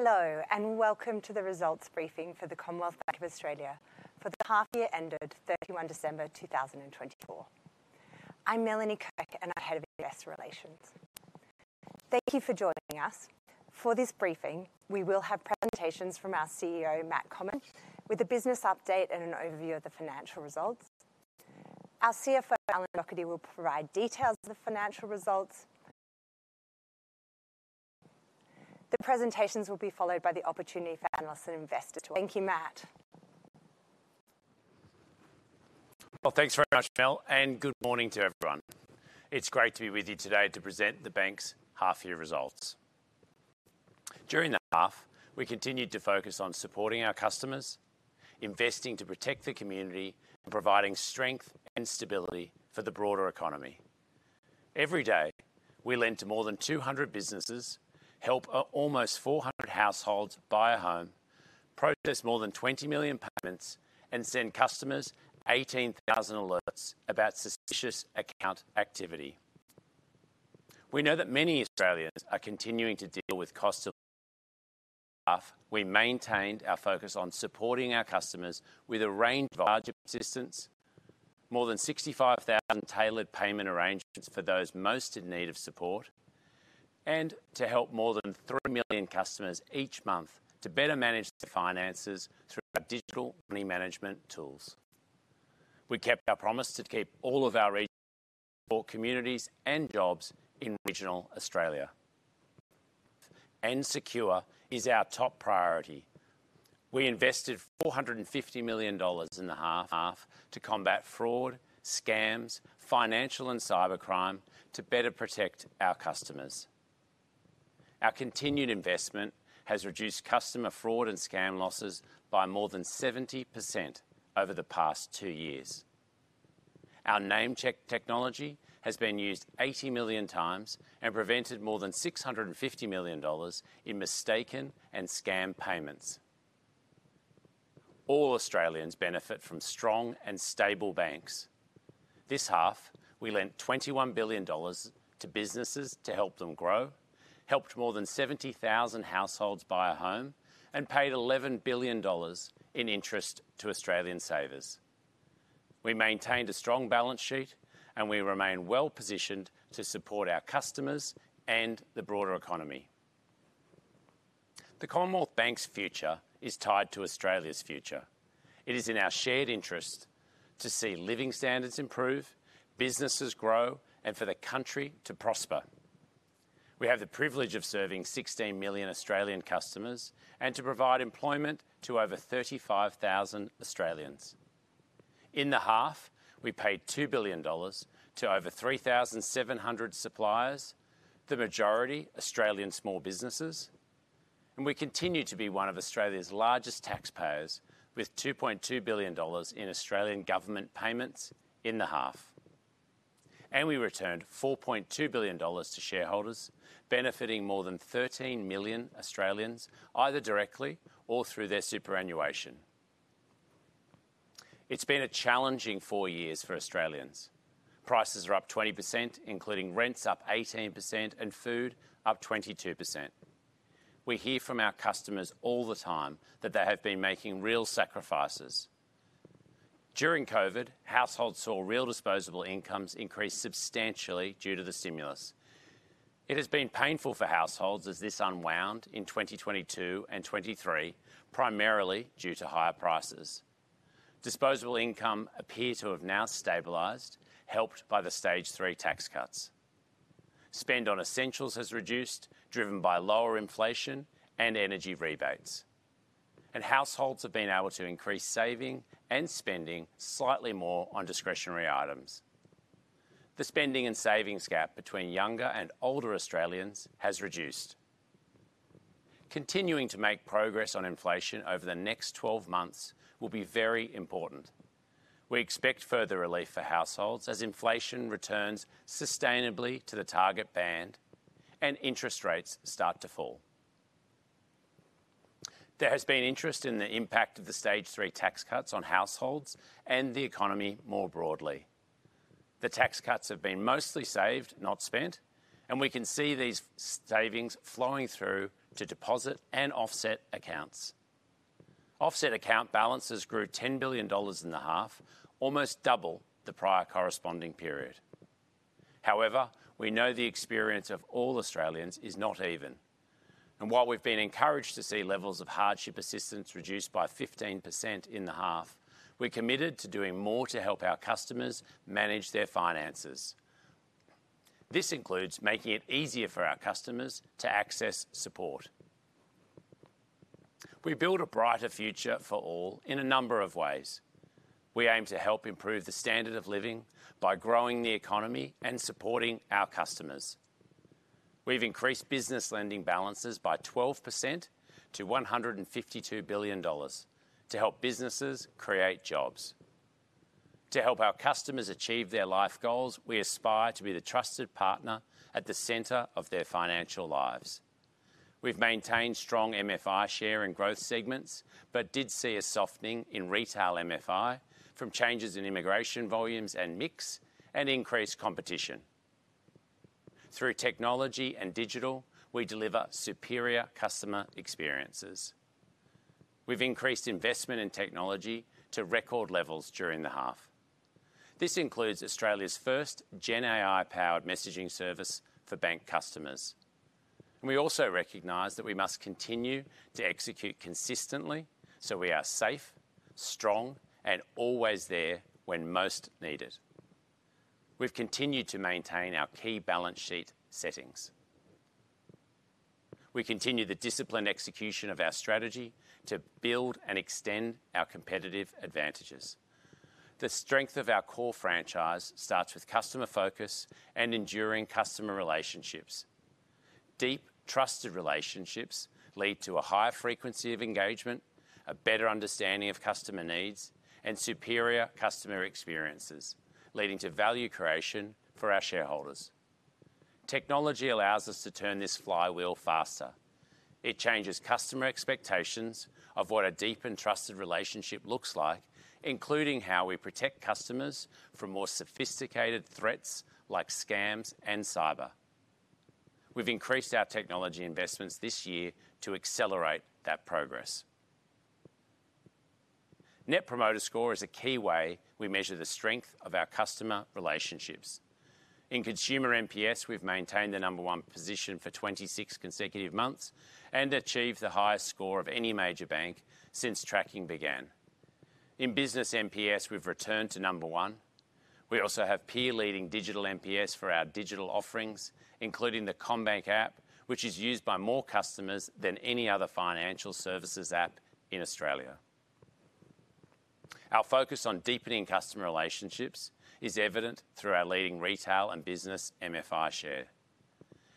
Hello and welcome to the results briefing for the Commonwealth Bank of Australia for the half-year ended 31 December 2024. I'm Melanie Kirk, and I'm head of Investor Relations. Thank you for joining us. For this briefing, we will have presentations from our CEO, Matt Comyn, with a business update and an overview of the financial results. Our CFO, Alan Docherty, will provide details of the financial results. The presentations will be followed by the opportunity for analysts and investors to welcome Matt to the briefing. Thanks very much, Mel, and good morning to everyone. It's great to be with you today to present the bank's half-year results. During that half, we continued to focus on supporting our customers, investing to protect the community, and providing strength and stability for the broader economy. Every day, we lent to more than 200 businesses, helped almost 400 households buy a home, processed more than 20 million payments, and sent customers 18,000 alerts about suspicious account activity. We know that many Australians are continuing to deal with costs of living and other expenses. We maintained our focus on supporting our customers with a range of budget assistance, more than 65,000 tailored payment arrangements for those most in need of support, and to help more than 3 million customers each month to better manage their finances through our digital money management tools. We kept our promise to keep all of our regional support communities and jobs in regional Australia. Security is our top priority. We invested 450 million dollars in the half year to combat fraud, scams, financial and cyber crime to better protect our customers. Our continued investment has reduced customer fraud and scam losses by more than 70% over the past two years. Our NameCheck technology has been used 80 million times and prevented more than 650 million dollars in mistaken and scam payments. All Australians benefit from strong and stable banks. This half, we lent 21 billion dollars to businesses to help them grow, helped more than 70,000 households buy a home, and paid 11 billion dollars in interest to Australian savers. We maintained a strong balance sheet, and we remain well-positioned to support our customers and the broader economy. The Commonwealth Bank's future is tied to Australia's future. It is in our shared interest to see living standards improve, businesses grow, and for the country to prosper. We have the privilege of serving 16 million Australian customers and to provide employment to over 35,000 Australians. In the half, we paid 2 billion dollars to over 3,700 suppliers, the majority Australian small businesses, and we continue to be one of Australia's largest taxpayers, with 2.2 billion dollars in Australian government payments in the half. And we returned 4.2 billion dollars to shareholders, benefiting more than 13 million Australians, either directly or through their superannuation. It's been a challenging four years for Australians. Prices are up 20%, including rents up 18%, and food up 22%. We hear from our customers all the time that they have been making real sacrifices. During COVID, households saw real disposable incomes increase substantially due to the stimulus. It has been painful for households as this unwound in 2022 and 2023, primarily due to higher prices. Disposable income appears to have now stabilized, helped by the Stage 3 tax cuts. Spend on essentials has reduced, driven by lower inflation and energy rebates, and households have been able to increase saving and spending slightly more on discretionary items. The spending and savings gap between younger and older Australians has reduced. Continuing to make progress on inflation over the next 12 months will be very important. We expect further relief for households as inflation returns sustainably to the target band and interest rates start to fall. There has been interest in the impact of the Stage 3 tax cuts on households and the economy more broadly. The tax cuts have been mostly saved, not spent, and we can see these savings flowing through to deposit and offset accounts. Offset account balances grew 10 billion dollars in the half, almost double the prior corresponding period. However, we know the experience of all Australians is not even. And while we've been encouraged to see levels of hardship assistance reduced by 15% in the half, we're committed to doing more to help our customers manage their finances. This includes making it easier for our customers to access support. We build a brighter future for all in a number of ways. We aim to help improve the standard of living by growing the economy and supporting our customers. We've increased business lending balances by 12% to 152 billion dollars to help businesses create jobs. To help our customers achieve their life goals, we aspire to be the trusted partner at the center of their financial lives. We've maintained strong MFI share and growth segments, but did see a softening in retail MFI from changes in immigration volumes and mix and increased competition. Through technology and digital, we deliver superior customer experiences. We've increased investment in technology to record levels during the half. This includes Australia's first GenAI-powered messaging service for bank customers, and we also recognize that we must continue to execute consistently so we are safe, strong, and always there when most need it. We've continued to maintain our key balance sheet settings. We continue the disciplined execution of our strategy to build and extend our competitive advantages. The strength of our core franchise starts with customer focus and enduring customer relationships. Deep, trusted relationships lead to a higher frequency of engagement, a better understanding of customer needs, and superior customer experiences, leading to value creation for our shareholders. Technology allows us to turn this flywheel faster. It changes customer expectations of what a deep and trusted relationship looks like, including how we protect customers from more sophisticated threats like scams and cyber. We've increased our technology investments this year to accelerate that progress. Net Promoter Score is a key way we measure the strength of our customer relationships. In Consumer NPS, we've maintained the number one position for 26 consecutive months and achieved the highest score of any major bank since tracking began. In Business NPS, we've returned to number one. We also have peer-leading digital NPS for our digital offerings, including the CommBank app, which is used by more customers than any other financial services app in Australia. Our focus on deepening customer relationships is evident through our leading retail and business MFI share.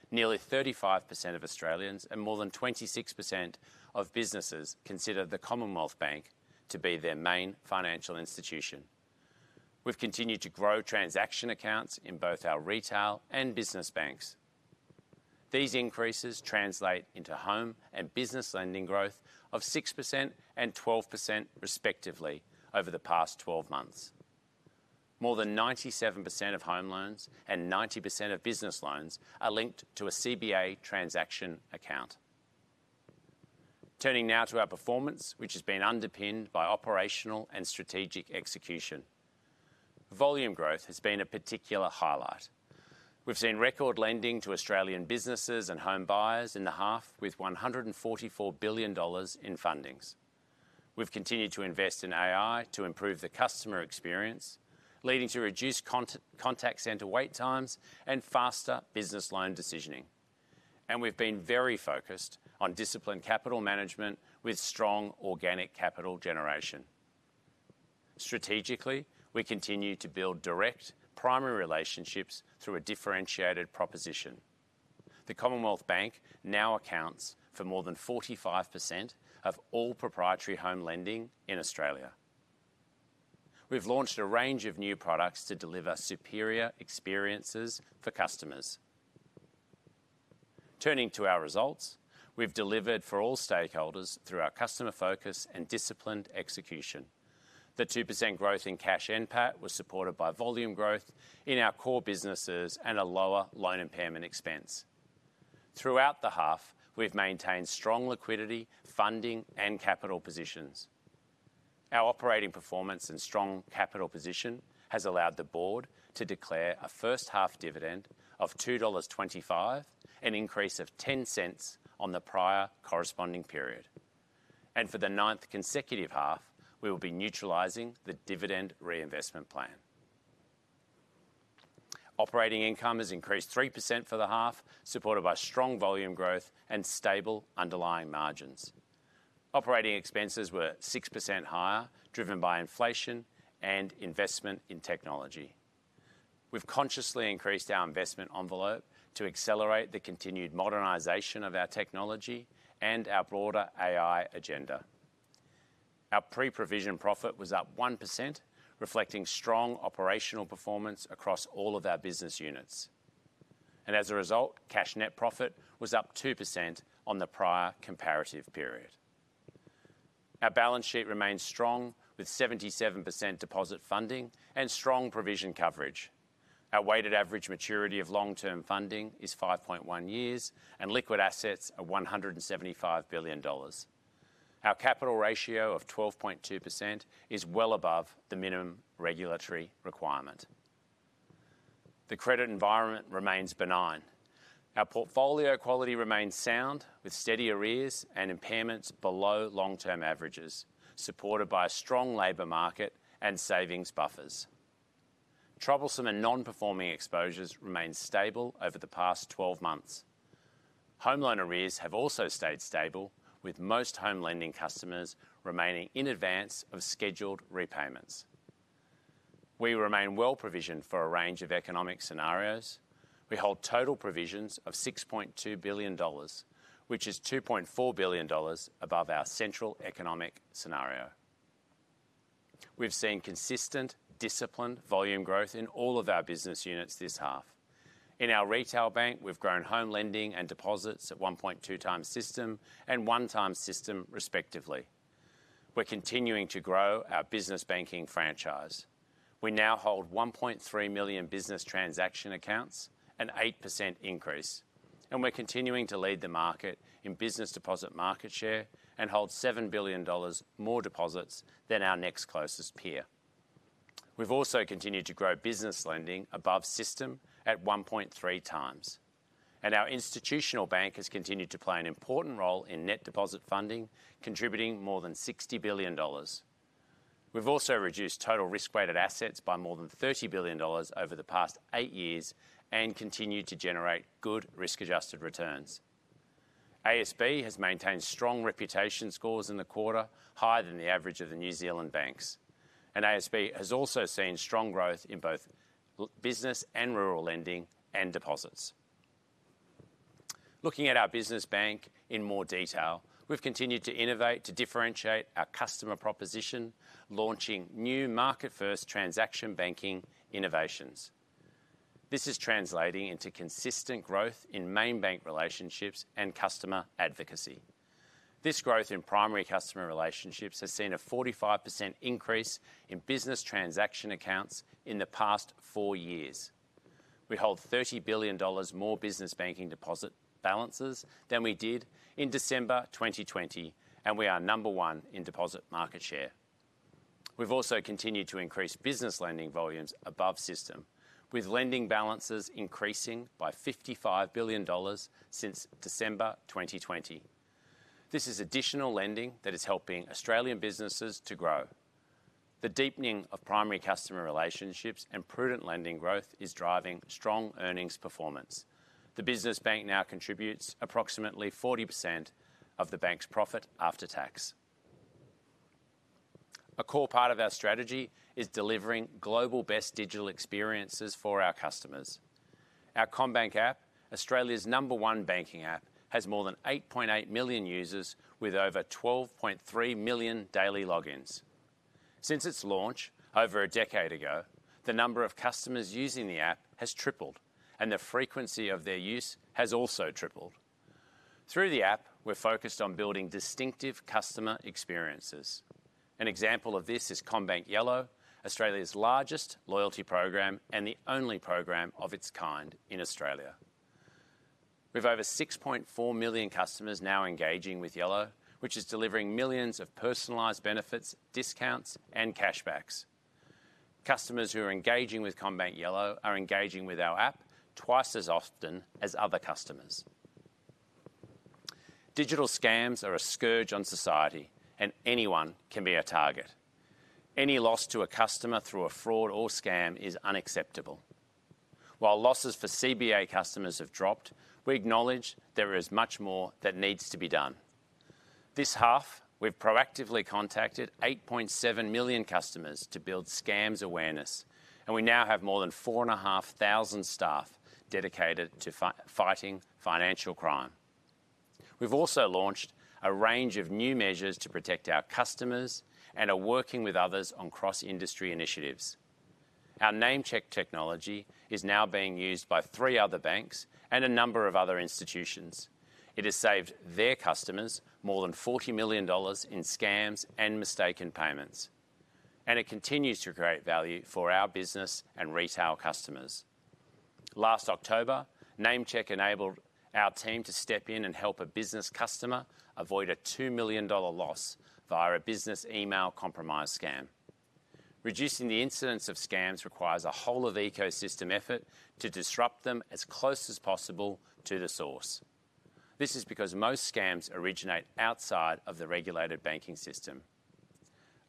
Nearly 35% of Australians and more than 26% of businesses consider the Commonwealth Bank to be their main financial institution. We've continued to grow transaction accounts in both our retail and business banks. These increases translate into home and business lending growth of 6% and 12%, respectively, over the past 12 months. More than 97% of home loans and 90% of business loans are linked to a CBA transaction account. Turning now to our performance, which has been underpinned by operational and strategic execution. Volume growth has been a particular highlight. We've seen record lending to Australian businesses and home buyers in the half with 144 billion dollars in fundings. We've continued to invest in AI to improve the customer experience, leading to reduced contact center wait times and faster business loan decisioning. And we've been very focused on disciplined capital management with strong organic capital generation. Strategically, we continue to build direct primary relationships through a differentiated proposition. The Commonwealth Bank now accounts for more than 45% of all proprietary home lending in Australia. We've launched a range of new products to deliver superior experiences for customers. Turning to our results, we've delivered for all stakeholders through our customer focus and disciplined execution. The 2% growth in cash NPAT was supported by volume growth in our core businesses and a lower loan impairment expense. Throughout the half, we've maintained strong liquidity, funding, and capital positions. Our operating performance and strong capital position has allowed the board to declare a first-half dividend of 2.25 dollars, an increase of 0.10 on the prior corresponding period. And for the ninth consecutive half, we will be neutralizing the Dividend Reinvestment Plan. Operating income has increased 3% for the half, supported by strong volume growth and stable underlying margins. Operating expenses were 6% higher, driven by inflation and investment in technology. We've consciously increased our investment envelope to accelerate the continued modernization of our technology and our broader AI agenda. Our pre-provision profit was up 1%, reflecting strong operational performance across all of our business units. And as a result, cash net profit was up 2% on the prior comparative period. Our balance sheet remains strong with 77% deposit funding and strong provision coverage. Our weighted average maturity of long-term funding is 5.1 years and liquid assets are 175 billion dollars. Our capital ratio of 12.2% is well above the minimum regulatory requirement. The credit environment remains benign. Our portfolio quality remains sound, with steady arrears and impairments below long-term averages, supported by a strong labor market and savings buffers. Troublesome and non-performing exposures remain stable over the past 12 months. Home loan arrears have also stayed stable, with most home lending customers remaining in advance of scheduled repayments. We remain well provisioned for a range of economic scenarios. We hold total provisions of 6.2 billion dollars, which is 2.4 billion dollars above our central economic scenario. We've seen consistent, disciplined volume growth in all of our business units this half. In our retail bank, we've grown home lending and deposits at 1.2x system and 1x system, respectively. We're continuing to grow our business banking franchise. We now hold 1.3 million business transaction accounts, an 8% increase, and we're continuing to lead the market in business deposit market share and hold 7 billion dollars more deposits than our next closest peer. We've also continued to grow business lending above system at 1.3x, and our institutional bank has continued to play an important role in net deposit funding, contributing more than 60 billion dollars. We've also reduced total risk-weighted assets by more than 30 billion dollars over the past eight years and continued to generate good risk-adjusted returns. ASB has maintained strong reputation scores in the quarter, higher than the average of the New Zealand banks. And ASB has also seen strong growth in both business and rural lending and deposits. Looking at our business bank in more detail, we've continued to innovate to differentiate our customer proposition, launching new market-first transaction banking innovations. This is translating into consistent growth in main bank relationships and customer advocacy. This growth in primary customer relationships has seen a 45% increase in business transaction accounts in the past four years. We hold 30 billion dollars more business banking deposit balances than we did in December 2020, and we are number one in deposit market share. We've also continued to increase business lending volumes above system, with lending balances increasing by 55 billion dollars since December 2020. This is additional lending that is helping Australian businesses to grow. The deepening of primary customer relationships and prudent lending growth is driving strong earnings performance. The business bank now contributes approximately 40% of the bank's profit after tax. A core part of our strategy is delivering global best digital experiences for our customers. Our CommBank app, Australia's number one banking app, has more than 8.8 million users with over 12.3 million daily logins. Since its launch over a decade ago, the number of customers using the app has tripled, and the frequency of their use has also tripled. Through the app, we're focused on building distinctive customer experiences. An example of this is CommBank Yello, Australia's largest loyalty program and the only program of its kind in Australia. We have over 6.4 million customers now engaging with Yello, which is delivering millions of personalized benefits, discounts, and cashbacks. Customers who are engaging with CommBank Yello are engaging with our app twice as often as other customers. Digital scams are a scourge on society, and anyone can be a target. Any loss to a customer through a fraud or scam is unacceptable. While losses for CBA customers have dropped, we acknowledge there is much more that needs to be done. This half, we've proactively contacted 8.7 million customers to build scams awareness, and we now have more than 4,500 staff dedicated to fighting financial crime. We've also launched a range of new measures to protect our customers and are working with others on cross-industry initiatives. Our NameCheck technology is now being used by three other banks and a number of other institutions. It has saved their customers more than 40 million dollars in scams and mistaken payments. It continues to create value for our business and retail customers. Last October, NameCheck enabled our team to step in and help a business customer avoid a 2 million dollar loss via a business email compromise scam. Reducing the incidence of scams requires a whole-of-ecosystem effort to disrupt them as close as possible to the source. This is because most scams originate outside of the regulated banking system.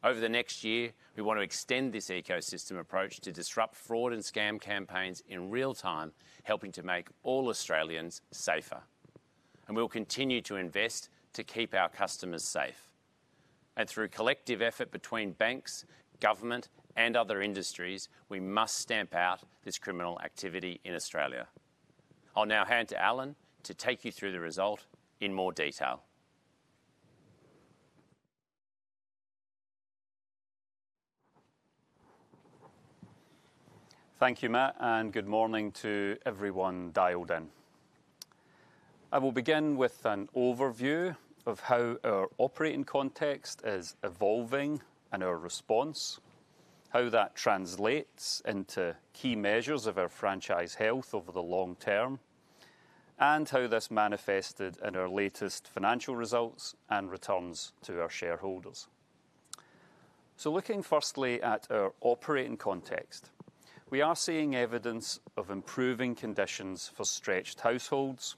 Over the next year, we want to extend this ecosystem approach to disrupt fraud and scam campaigns in real time, helping to make all Australians safer. We'll continue to invest to keep our customers safe. Through collective effort between banks, government, and other industries, we must stamp out this criminal activity in Australia. I'll now hand to Alan to take you through the result in more detail. Thank you, Matt, and good morning to everyone, everybody. I will begin with an overview of how our operating context is evolving and our response, how that translates into key measures of our franchise health over the long term, and how this manifested in our latest financial results and returns to our shareholders. So looking firstly at our operating context, we are seeing evidence of improving conditions for stretched households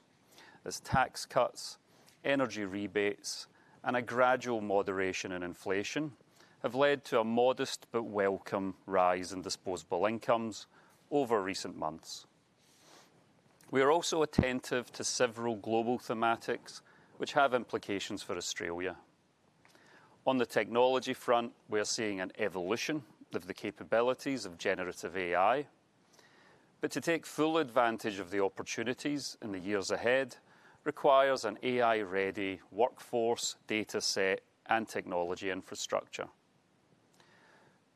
as tax cuts, energy rebates, and a gradual moderation in inflation have led to a modest but welcome rise in disposable incomes over recent months. We are also attentive to several global thematics which have implications for Australia. On the technology front, we are seeing an evolution of the capabilities of generative AI. But to take full advantage of the opportunities in the years ahead requires an AI-ready workforce, data set, and technology infrastructure.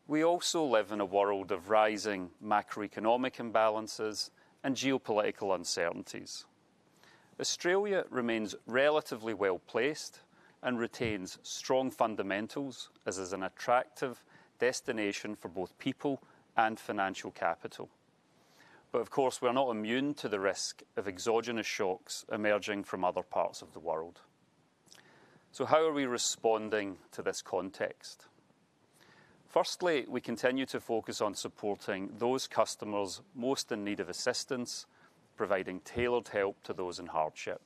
We also live in a world of rising macroeconomic imbalances and geopolitical uncertainties. Australia remains relatively well placed and retains strong fundamentals as an attractive destination for both people and financial capital. But of course, we are not immune to the risk of exogenous shocks emerging from other parts of the world. So how are we responding to this context? Firstly, we continue to focus on supporting those customers most in need of assistance, providing tailored help to those in hardship.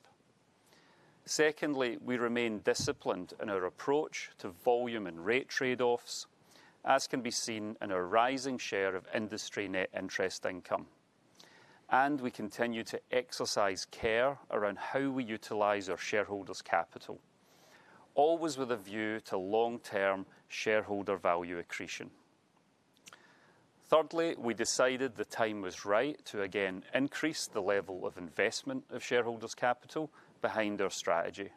Secondly, we remain disciplined in our approach to volume and rate trade-offs, as can be seen in our rising share of industry net interest income. And we continue to exercise care around how we utilize our shareholders' capital, always with a view to long-term shareholder value accretion. Thirdly, we decided the time was right to again increase the level of investment of shareholders' capital behind our strategy.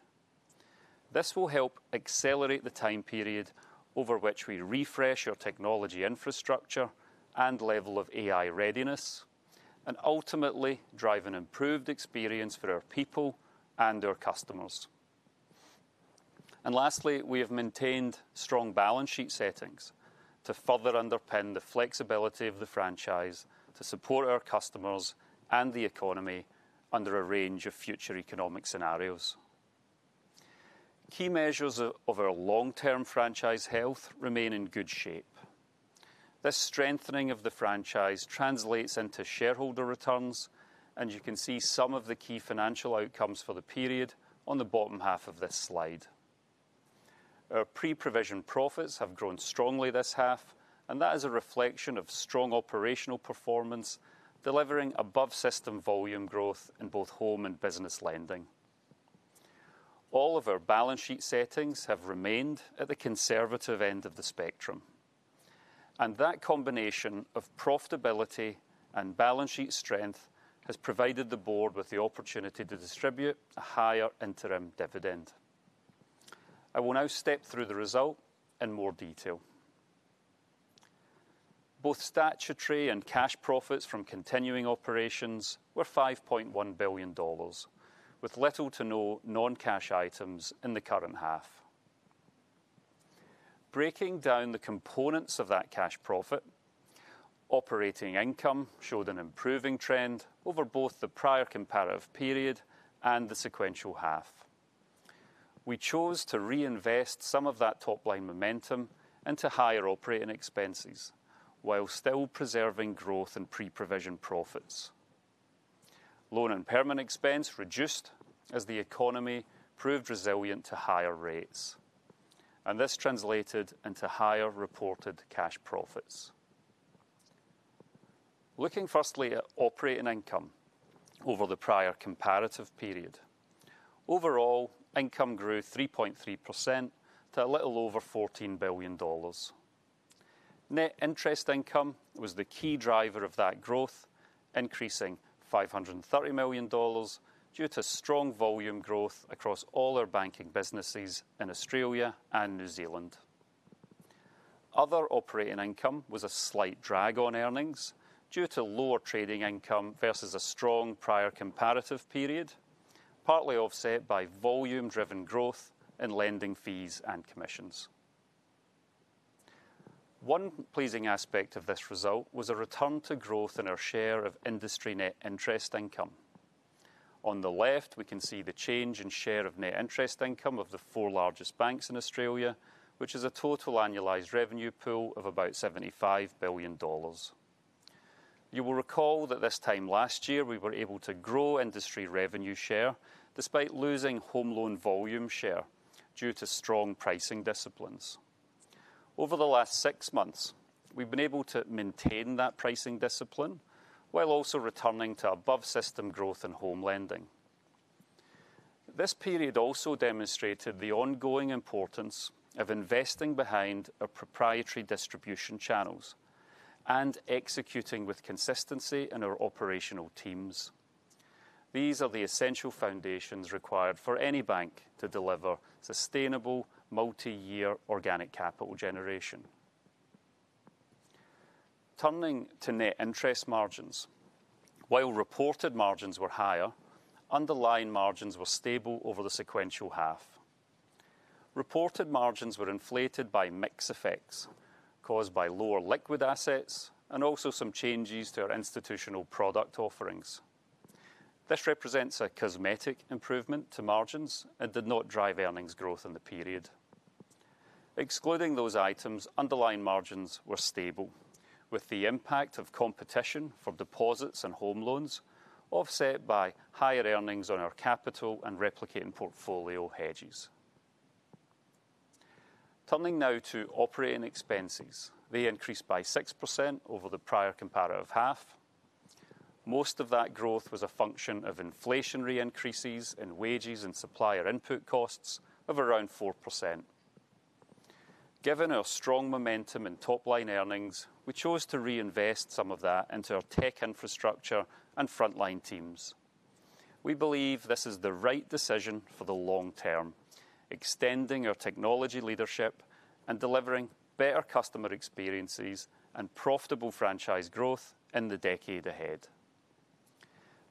This will help accelerate the time period over which we refresh our technology infrastructure and level of AI readiness, and ultimately drive an improved experience for our people and our customers. And lastly, we have maintained strong balance sheet settings to further underpin the flexibility of the franchise to support our customers and the economy under a range of future economic scenarios. Key measures of our long-term franchise health remain in good shape. This strengthening of the franchise translates into shareholder returns, and you can see some of the key financial outcomes for the period on the bottom half of this slide. Our pre-provision profits have grown strongly this half, and that is a reflection of strong operational performance, delivering above system volume growth in both home and business lending. All of our balance sheet settings have remained at the conservative end of the spectrum. And that combination of profitability and balance sheet strength has provided the board with the opportunity to distribute a higher interim dividend. I will now step through the result in more detail. Both statutory and cash profits from continuing operations were 5.1 billion dollars, with little to no non-cash items in the current half. Breaking down the components of that cash profit, operating income showed an improving trend over both the prior comparative period and the sequential half. We chose to reinvest some of that top-line momentum into higher operating expenses while still preserving growth in pre-provision profits. Loan impairment expense reduced as the economy proved resilient to higher rates, and this translated into higher reported cash profits. Looking firstly at operating income over the prior comparative period, overall income grew 3.3% to a little over 14 billion dollars. Net interest income was the key driver of that growth, increasing 530 million dollars due to strong volume growth across all our banking businesses in Australia and New Zealand. Other operating income was a slight drag on earnings due to lower trading income versus a strong prior comparative period, partly offset by volume-driven growth in lending fees and commissions. One pleasing aspect of this result was a return to growth in our share of industry net interest income. On the left, we can see the change in share of net interest income of the four largest banks in Australia, which is a total annualized revenue pool of about 75 billion dollars. You will recall that this time last year, we were able to grow industry revenue share despite losing home loan volume share due to strong pricing disciplines. Over the last six months, we've been able to maintain that pricing discipline while also returning to above system growth in home lending. This period also demonstrated the ongoing importance of investing behind our proprietary distribution channels and executing with consistency in our operational teams. These are the essential foundations required for any bank to deliver sustainable multi-year organic capital generation. Turning to net interest margins, while reported margins were higher, underlying margins were stable over the sequential half. Reported margins were inflated by mixed effects caused by lower liquid assets and also some changes to our institutional product offerings. This represents a cosmetic improvement to margins and did not drive earnings growth in the period. Excluding those items, underlying margins were stable, with the impact of competition for deposits and home loans offset by higher earnings on our capital and replicating portfolio hedges. Turning now to operating expenses, they increased by 6% over the prior comparative half. Most of that growth was a function of inflationary increases in wages and supplier input costs of around 4%. Given our strong momentum in top-line earnings, we chose to reinvest some of that into our tech infrastructure and front-line teams. We believe this is the right decision for the long term, extending our technology leadership and delivering better customer experiences and profitable franchise growth in the decade ahead.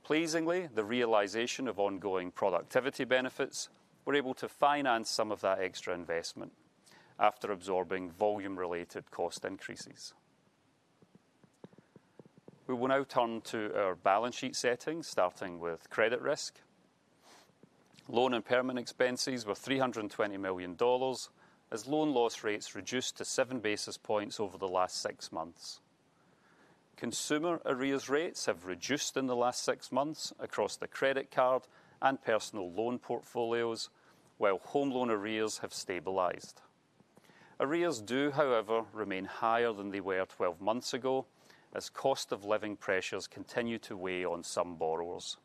Pleasingly, the realization of ongoing productivity benefits. We're able to finance some of that extra investment after absorbing volume-related cost increases. We will now turn to our balance sheet settings, starting with credit risk. Loan and impairment expenses were 320 million dollars as loan loss rates reduced to seven basis points over the last six months. Consumer arrears rates have reduced in the last six months across the credit card and personal loan portfolios, while home loan arrears have stabilized. Arrears do, however, remain higher than they were 12 months ago as cost of living pressures continue to weigh on some borrowers.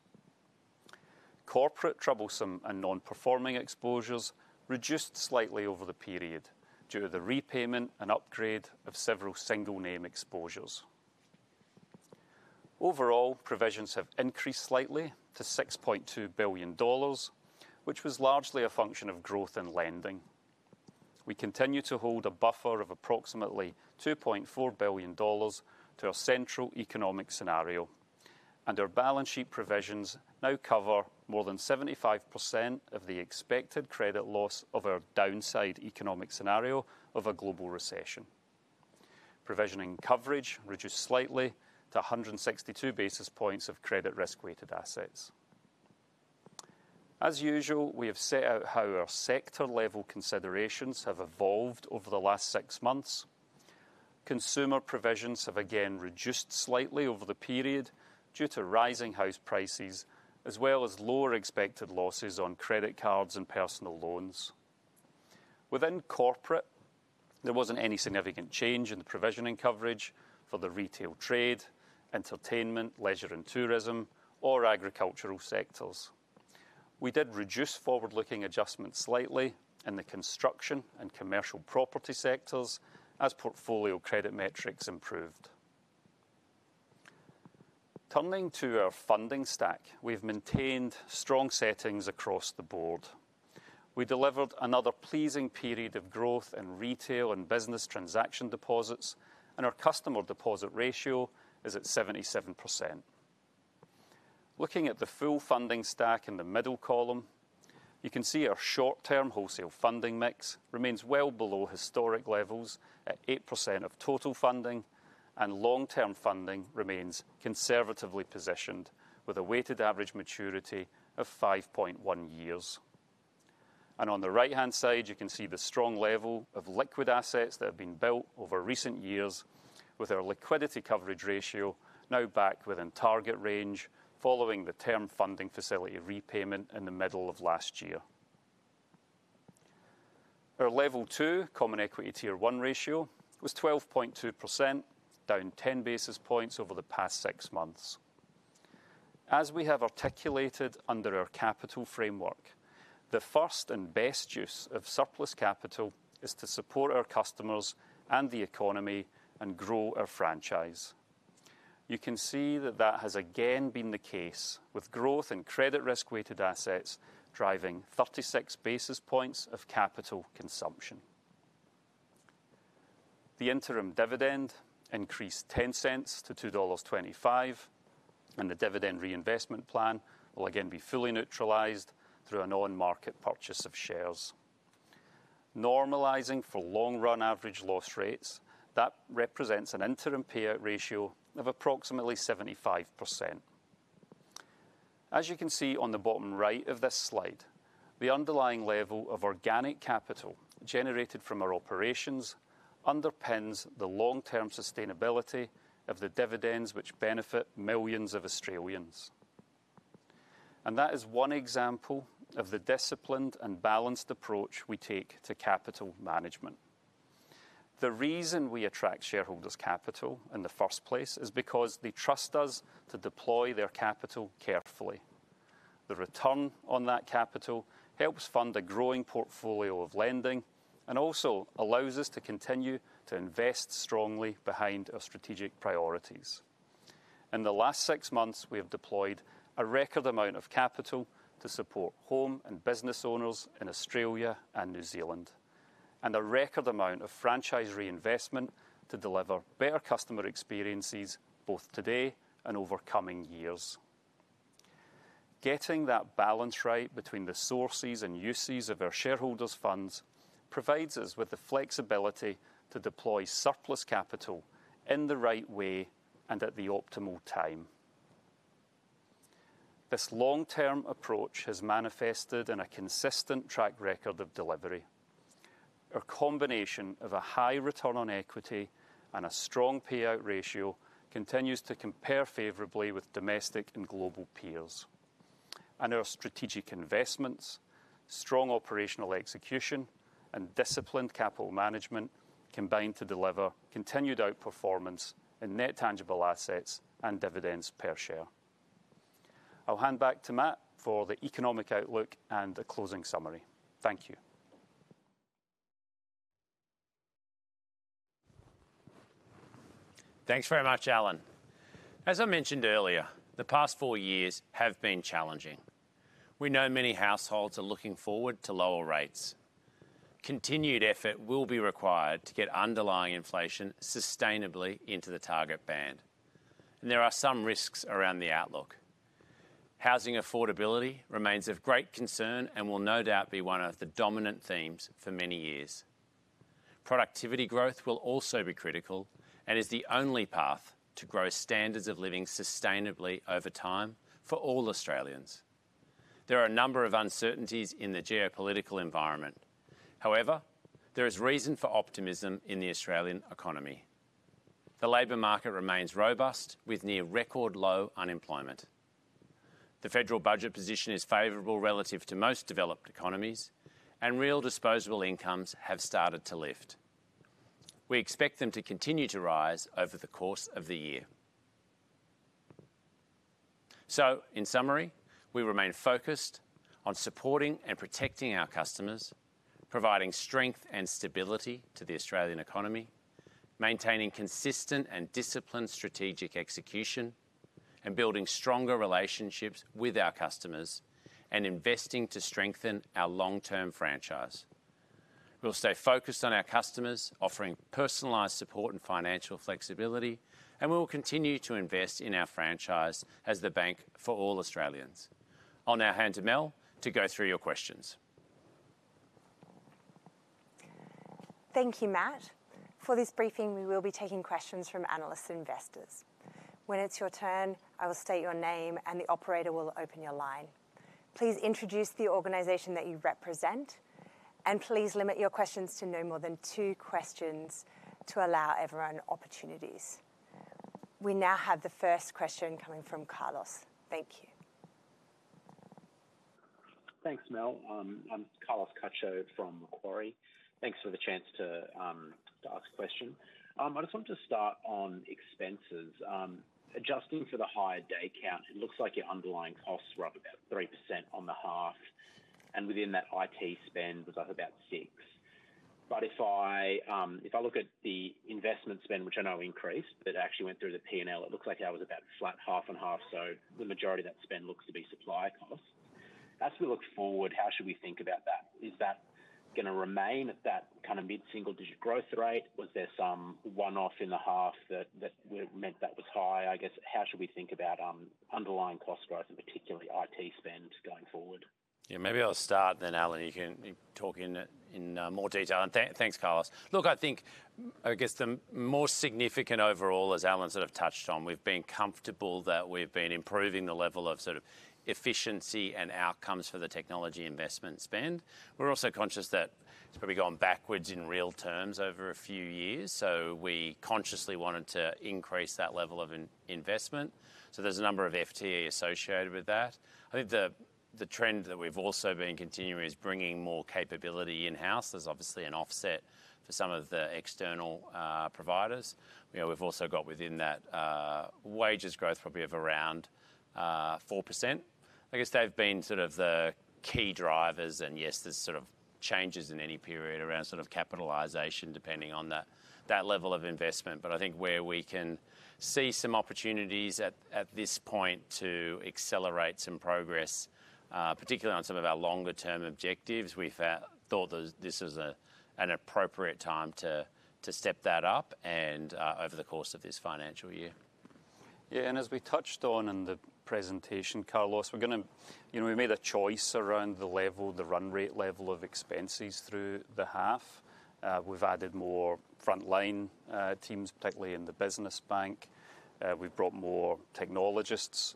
Corporate T&I and non-performing exposures reduced slightly over the period due to the repayment and upgrade of several single-name exposures. Overall, provisions have increased slightly to 6.2 billion dollars, which was largely a function of growth in lending. We continue to hold a buffer of approximately 2.4 billion dollars to our central economic scenario, and our balance sheet provisions now cover more than 75% of the expected credit loss of our downside economic scenario of a global recession. Provisioning coverage reduced slightly to 162 basis points of credit risk-weighted assets. As usual, we have set out how our sector-level considerations have evolved over the last six months. Consumer provisions have again reduced slightly over the period due to rising house prices, as well as lower expected losses on credit cards and personal loans. Within corporate, there wasn't any significant change in the provisioning coverage for the retail trade, entertainment, leisure and tourism, or agricultural sectors. We did reduce forward-looking adjustments slightly in the construction and commercial property sectors as portfolio credit metrics improved. Turning to our funding stack, we've maintained strong settings across the board. We delivered another pleasing period of growth in retail and business transaction deposits, and our customer deposit ratio is at 77%. Looking at the full funding stack in the middle column, you can see our short-term wholesale funding mix remains well below historic levels at 8% of total funding, and long-term funding remains conservatively positioned with a weighted average maturity of 5.1 years. And on the right-hand side, you can see the strong level of liquid assets that have been built over recent years, with our Liquidity Coverage Ratio now back within target range following the Term Funding Facility repayment in the middle of last year. Our Level 2 Common Equity Tier 1 ratio was 12.2%, down 10 basis points over the past six months. As we have articulated under our capital framework, the first and best use of surplus capital is to support our customers and the economy and grow our franchise. You can see that that has again been the case, with growth in credit risk-weighted assets driving 36 basis points of capital consumption. The interim dividend increased 0.10 to 2.25 dollars, and the Dividend Reinvestment Plan will again be fully neutralised through an on-market purchase of shares. Normalising for long-run average loss rates, that represents an interim payout ratio of approximately 75%. As you can see on the bottom right of this slide, the underlying level of organic capital generated from our operations underpins the long-term sustainability of the dividends which benefit millions of Australians. And that is one example of the disciplined and balanced approach we take to capital management. The reason we attract shareholders' capital in the first place is because they trust us to deploy their capital carefully. The return on that capital helps fund a growing portfolio of lending and also allows us to continue to invest strongly behind our strategic priorities. In the last six months, we have deployed a record amount of capital to support home and business owners in Australia and New Zealand, and a record amount of franchise reinvestment to deliver better customer experiences both today and over coming years. Getting that balance right between the sources and uses of our shareholders' funds provides us with the flexibility to deploy surplus capital in the right way and at the optimal time. This long-term approach has manifested in a consistent track record of delivery. Our combination of a high return on equity and a strong payout ratio continues to compare favorably with domestic and global peers. And our strategic investments, strong operational execution, and disciplined capital management combine to deliver continued outperformance in net tangible assets and dividends per share. I'll hand back to Matt for the economic outlook and the closing summary. Thank you. Thanks very much, Alan. As I mentioned earlier, the past four years have been challenging. We know many households are looking forward to lower rates. Continued effort will be required to get underlying inflation sustainably into the target band, and there are some risks around the outlook. Housing affordability remains of great concern and will no doubt be one of the dominant themes for many years. Productivity growth will also be critical and is the only path to grow standards of living sustainably over time for all Australians. There are a number of uncertainties in the geopolitical environment. However, there is reason for optimism in the Australian economy. The labor market remains robust, with near-record low unemployment. The federal budget position is favorable relative to most developed economies, and real disposable incomes have started to lift. We expect them to continue to rise over the course of the year. So, in summary, we remain focused on supporting and protecting our customers, providing strength and stability to the Australian economy, maintaining consistent and disciplined strategic execution, and building stronger relationships with our customers and investing to strengthen our long-term franchise. We'll stay focused on our customers, offering personalized support and financial flexibility, and we will continue to invest in our franchise as the bank for all Australians. I'll now hand to Mel to go through your questions. Thank you, Matt. For this briefing, we will be taking questions from analysts and investors. When it's your turn, I will state your name and the operator will open your line. Please introduce the organization that you represent, and please limit your questions to no more than two questions to allow everyone opportunities. We now have the first question coming from Carlos. Thank you. Thanks, Mel. I'm Carlos Cacho from Macquarie. Thanks for the chance to ask a question. I just want to start on expenses. Adjusting for the higher day count, it looks like your underlying costs were up about 3% on the half, and within that IT spend was up about 6%. But if I look at the investment spend, which I know increased, but actually went through the P&L, it looks like that was about flat half and half. So the majority of that spend looks to be supply costs. As we look forward, how should we think about that? Is that going to remain at that kind of mid-single-digit growth rate? Was there some one-off in the half that meant that was high? I guess, how should we think about underlying cost growth and particularly IT spend going forward? Yeah, maybe I'll start then, Alan. You can talk in more detail. And thanks, Carlos. Look, I think, I guess the more significant overall, as Alan sort of touched on, we've been comfortable that we've been improving the level of sort of efficiency and outcomes for the technology investment spend. We're also conscious that it's probably gone backwards in real terms over a few years, so we consciously wanted to increase that level of investment. So there's a number of FTE associated with that. I think the trend that we've also been continuing is bringing more capability in-house. There's obviously an offset for some of the external providers. We've also got within that wages growth probably of around 4%. I guess they've been sort of the key drivers, and yes, there's sort of changes in any period around sort of capitalization depending on that level of investment. But I think where we can see some opportunities at this point to accelerate some progress, particularly on some of our longer-term objectives, we thought this was an appropriate time to step that up over the course of this financial year. Yeah, and as we touched on in the presentation, Carlos, we're going to, you know, we made a choice around the level, the run rate level of expenses through the half. We've added more front-line teams, particularly in the business bank. We've brought more technologists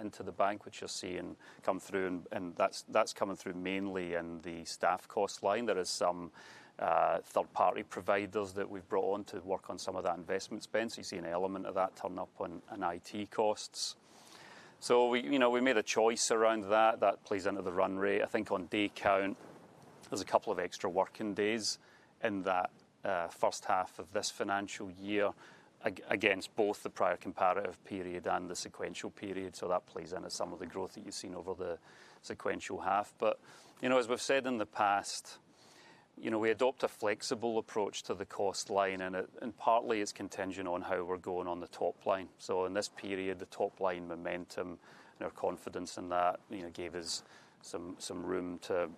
into the bank, which you're seeing come through, and that's coming through mainly in the staff cost line. There are some third-party providers that we've brought on to work on some of that investment spend, so you see an element of that turn up on IT costs. So we made a choice around that. That plays into the run rate. I think on day count, there's a couple of extra working days in that first half of this financial year against both the prior comparative period and the sequential period, so that plays into some of the growth that you've seen over the sequential half. But, you know, as we've said in the past, you know, we adopt a flexible approach to the cost line, and partly it's contingent on how we're going on the top line. So in this period, the top line momentum and our confidence in that, you know, gave us some room to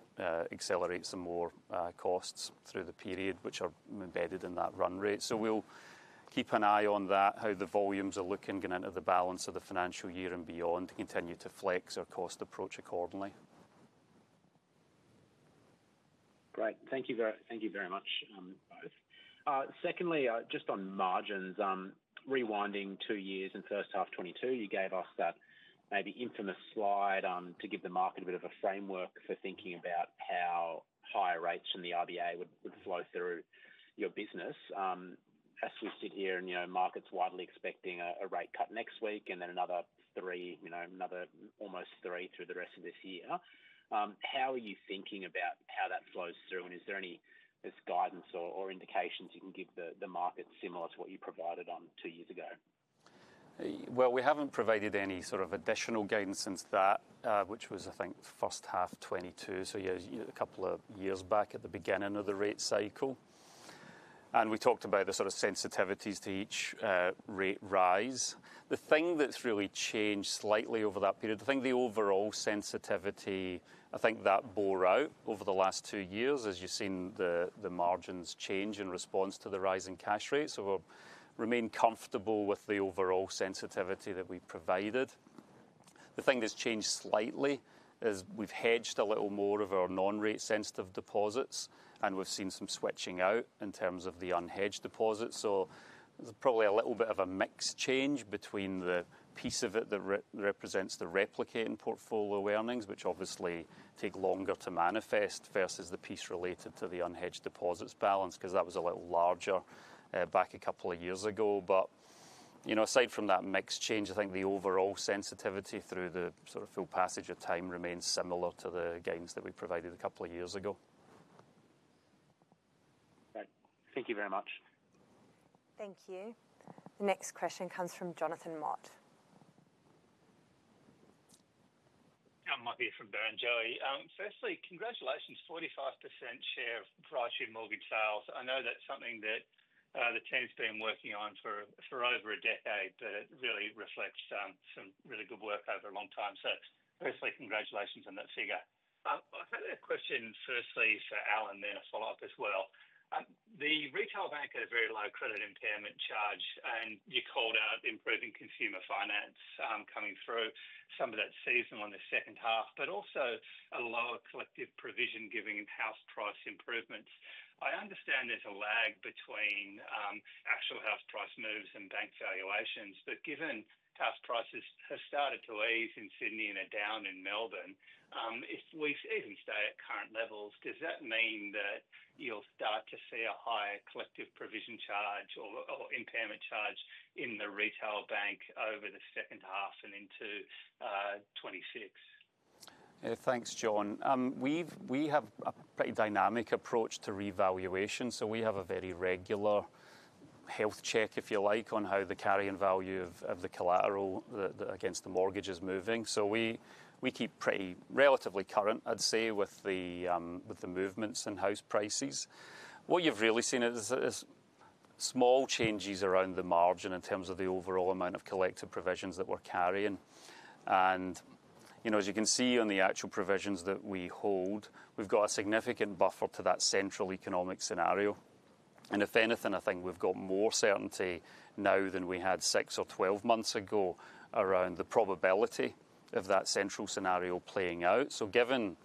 accelerate some more costs through the period, which are embedded in that run rate. So we'll keep an eye on that, how the volumes are looking going into the balance of the financial year and beyond to continue to flex our cost approach accordingly. Great. Thank you very much, both. Secondly, just on margins, rewinding two years in first half 2022, you gave us that maybe infamous slide to give the market a bit of a framework for thinking about how higher rates from the RBA would flow through your business. As we sit here and, you know, markets widely expecting a rate cut next week and then another three, you know, another almost three through the rest of this year, how are you thinking about how that flows through? Is there any guidance or indications you can give the market similar to what you provided on two years ago? We haven't provided any sort of additional guidance since that, which was, I think, first half 2022, so a couple of years back at the beginning of the rate cycle. We talked about the sort of sensitivities to each rate rise. The thing that's really changed slightly over that period, I think the overall sensitivity, I think that bore out over the last two years, as you've seen the margins change in response to the rising cash rates. We'll remain comfortable with the overall sensitivity that we provided. The thing that's changed slightly is we've hedged a little more of our non-rate sensitive deposits, and we've seen some switching out in terms of the unhedged deposits. So there's probably a little bit of a mixed change between the piece of it that represents the replicating portfolio earnings, which obviously take longer to manifest, versus the piece related to the unhedged deposits balance, because that was a little larger back a couple of years ago. But, you know, aside from that mixed change, I think the overall sensitivity through the sort of full passage of time remains similar to the guidance that we provided a couple of years ago. Thank you very much. Thank you. The next question comes from Jonathan Mott. Hi Matt from Barrenjoey. Firstly, congratulations, 45% share of Roy Morgan sales. I know that's something that the team's been working on for over a decade, but it really reflects some really good work over a long time. So firstly, congratulations on that figure. I had a question firstly for Alan then a follow-up as well. The retail bank had a very low credit impairment charge, and you called out improving consumer finance coming through some of that seasonality in the second half, but also a lower collective provision given house price improvements. I understand there's a lag between actual house price moves and bank valuations, but given house prices have started to ease in Sydney and are down in Melbourne, if we even stay at current levels, does that mean that you'll start to see a higher collective provision charge or impairment charge in the retail bank over the second half and into 2026? Thanks, John. We have a pretty dynamic approach to revaluation, so we have a very regular health check, if you like, on how the carrying value of the collateral against the mortgage is moving. We keep pretty relatively current, I'd say, with the movements in house prices. What you've really seen is small changes around the margin in terms of the overall amount of collective provisions that we're carrying. You know, as you can see on the actual provisions that we hold, we've got a significant buffer to that central economic scenario. If anything, I think we've got more certainty now than we had six or 12 months ago around the probability of that central scenario playing out. Given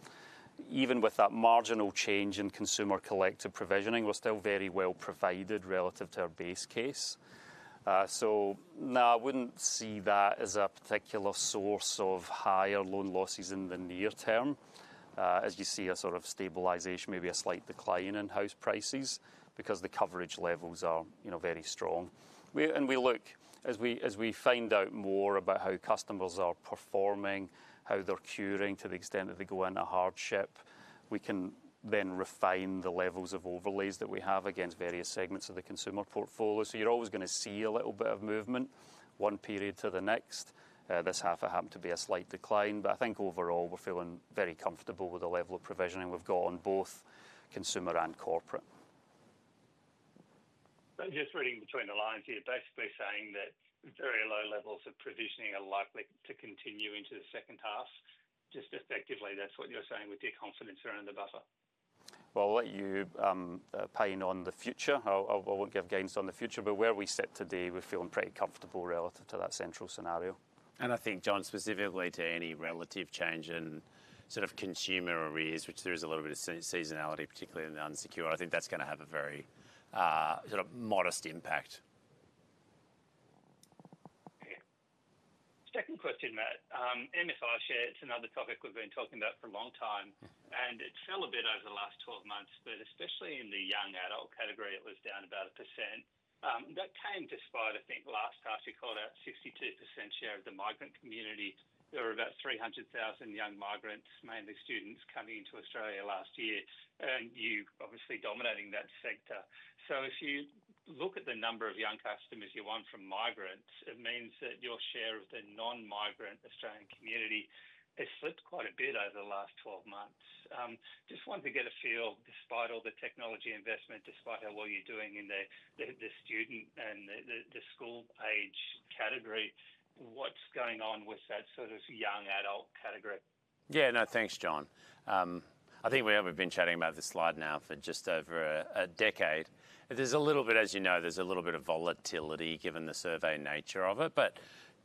even with that marginal change in consumer collective provisioning, we're still very well provided relative to our base case. Now I wouldn't see that as a particular source of higher loan losses in the near term. As you see a sort of stabilization, maybe a slight decline in house prices because the coverage levels are, you know, very strong. We look, as we find out more about how customers are performing, how they're curing to the extent that they go into hardship, we can then refine the levels of overlays that we have against various segments of the consumer portfolio. You're always going to see a little bit of movement one period to the next. This half happened to be a slight decline, but I think overall we're feeling very comfortable with the level of provisioning we've got on both consumer and corporate. Just reading between the lines here, basically saying that very low levels of provisioning are likely to continue into the second half. Just effectively, that's what you're saying with your confidence around the buffer? I'll let you paint the picture on the future. I won't give guidance on the future, but where we sit today, we're feeling pretty comfortable relative to that central scenario. And I think, John, specifically to any relative change in sort of consumer arrears, which there is a little bit of seasonality, particularly in the unsecured. I think that's going to have a very sort of modest impact. Second question, Matt. MFI shares, it's another topic we've been talking about for a long time, and it fell a bit over the last 12 months, but especially in the young adult category, it was down about 1%. That came despite, I think, last half, you called out 62% share of the migrant community. There were about 300,000 young migrants, mainly students, coming into Australia last year, and you obviously dominating that sector. So if you look at the number of young customers you want from migrants, it means that your share of the non-migrant Australian community has slipped quite a bit over the last 12 months. Just wanted to get a feel, despite all the technology investment, despite how well you're doing in the student and the school age category, what's going on with that sort of young adult category? Yeah, no, thanks, John. I think we haven't been chatting about this slide now for just over a decade. There's a little bit, as you know, there's a little bit of volatility given the survey nature of it, but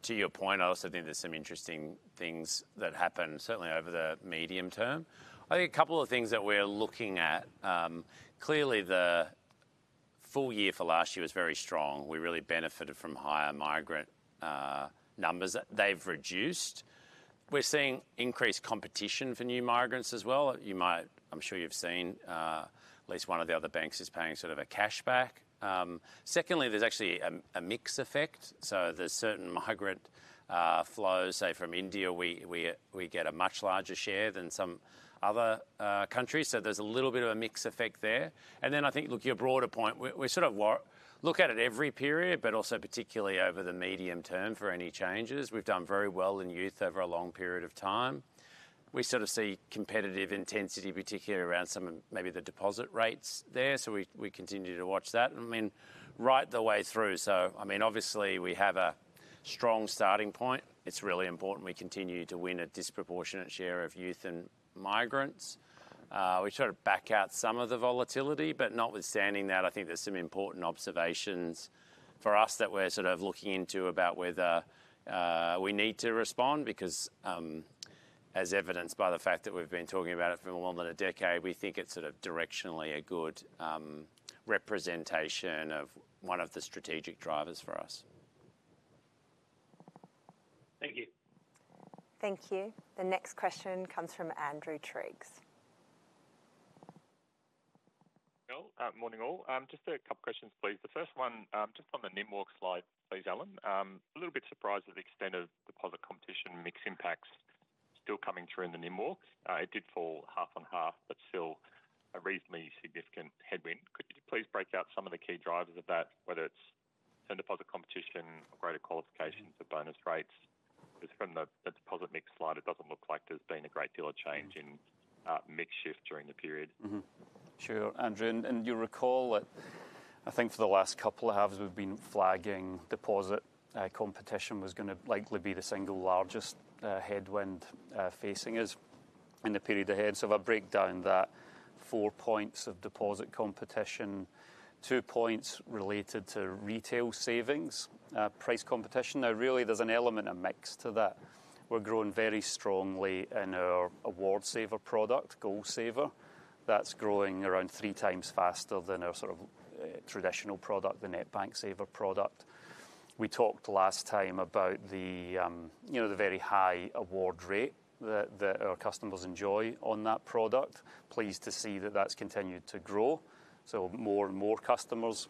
to your point, I also think there's some interesting things that happen certainly over the medium term. I think a couple of things that we're looking at, clearly the full year for last year was very strong. We really benefited from higher migrant numbers. They've reduced. We're seeing increased competition for new migrants as well. You might, I'm sure you've seen, at least one of the other banks is paying sort of a cashback. Secondly, there's actually a mixed effect. So there's certain migrant flows, say from India, we get a much larger share than some other countries. So there's a little bit of a mixed effect there, and then I think, look, your broader point, we sort of look at it every period, but also particularly over the medium term for any changes. We've done very well in youth over a long period of time. We sort of see competitive intensity, particularly around some of maybe the deposit rates there, so we continue to watch that, I mean right the way through, so, I mean, obviously we have a strong starting point. It's really important we continue to win a disproportionate share of youth and migrants. We sort of back out some of the volatility, but notwithstanding that, I think there's some important observations for us that we're sort of looking into about whether we need to respond, because as evidenced by the fact that we've been talking about it for more than a decade, we think it's sort of directionally a good representation of one of the strategic drivers for us. Thank you. Thank you. The next question comes from Andrew Triggs. Morning all. Just a couple of questions, please. The first one, just on the NIM Walk slide, please, Alan. A little bit surprised at the extent of deposit competition mix impacts still coming through in the NIM Walk. It did fall half and half, but still a reasonably significant headwind. Could you please break out some of the key drivers of that, whether it's term deposit competition or greater allocations or bonus rates? Because from the deposit mix slide, it doesn't look like there's been a great deal of change in mix shift during the period. Sure, Andrew, and you recall that I think for the last couple of halves, we've been flagging deposit competition was going to likely be the single largest headwind facing us in the period ahead, so if I break down that, four points of deposit competition, two points related to retail savings, price competition. Now, really, there's an element of mix to that. We're growing very strongly in our AwardSaver product, GoalSaver. That's growing around three times faster than our sort of traditional product, the NetBank Saver product. We talked last time about the, you know, the very high award rate that our customers enjoy on that product. Pleased to see that that's continued to grow. So more and more customers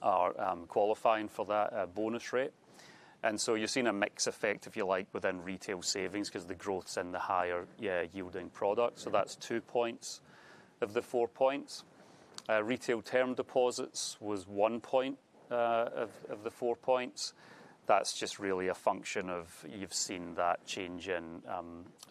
are qualifying for that bonus rate. And so you're seeing a mixed effect, if you like, within retail savings because the growth's in the higher yielding product. So that's two points of the four points. Retail term deposits was one point of the four points. That's just really a function of you've seen that change in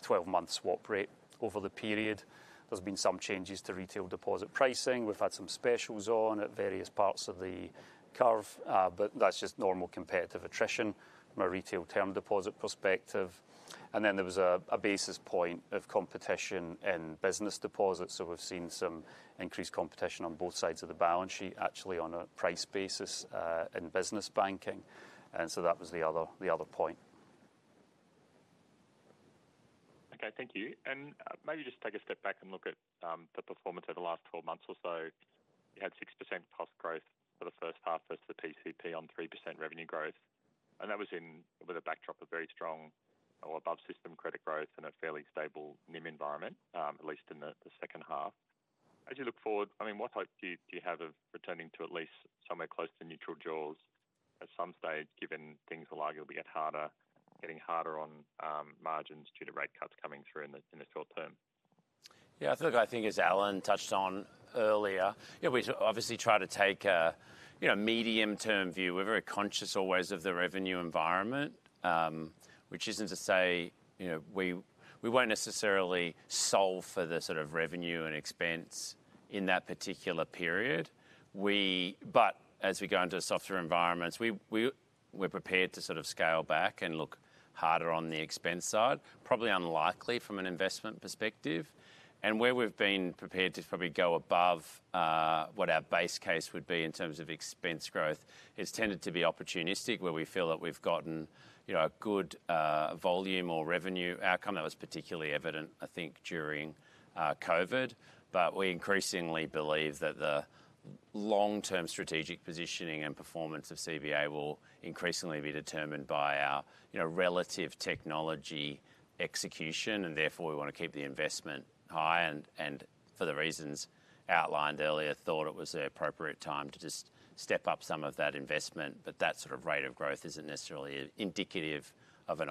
twelve months swap rate over the period. There's been some changes to retail deposit pricing. We've had some specials on at various parts of the curve, but that's just normal competitive attrition from a retail term deposit perspective. And then there was a basis point of competition in business deposits. So we've seen some increased competition on both sides of the balance sheet, actually on a price basis in business banking. And so that was the other point. Okay, thank you. Maybe just take a step back and look at the performance over the last 12 months or so. You had 6%+ growth for the first half as to the PCP on 3% revenue growth. And that was in with a backdrop of very strong or above system credit growth in a fairly stable NIM environment, at least in the second half. As you look forward, I mean, what hope do you have of returning to at least somewhere close to neutral jaws at some stage, given things will arguably get harder, getting harder on margins due to rate cuts coming through in the short term? Yeah, I think, as Alan touched on earlier, you know, we obviously try to take a, you know, medium term view. We're very conscious always of the revenue environment, which isn't to say, you know, we won't necessarily solve for the sort of revenue and expense in that particular period, but as we go into the softer environments, we're prepared to sort of scale back and look harder on the expense side, probably unlikely from an investment perspective, and where we've been prepared to probably go above what our base case would be in terms of expense growth has tended to be opportunistic, where we feel that we've gotten, you know, a good volume or revenue outcome. That was particularly evident, I think, during COVID, but we increasingly believe that the long-term strategic positioning and performance of CBA will increasingly be determined by our, you know, relative technology execution, and therefore, we want to keep the investment high. For the reasons outlined earlier, thought it was an appropriate time to just step up some of that investment. But that sort of rate of growth isn't necessarily indicative of an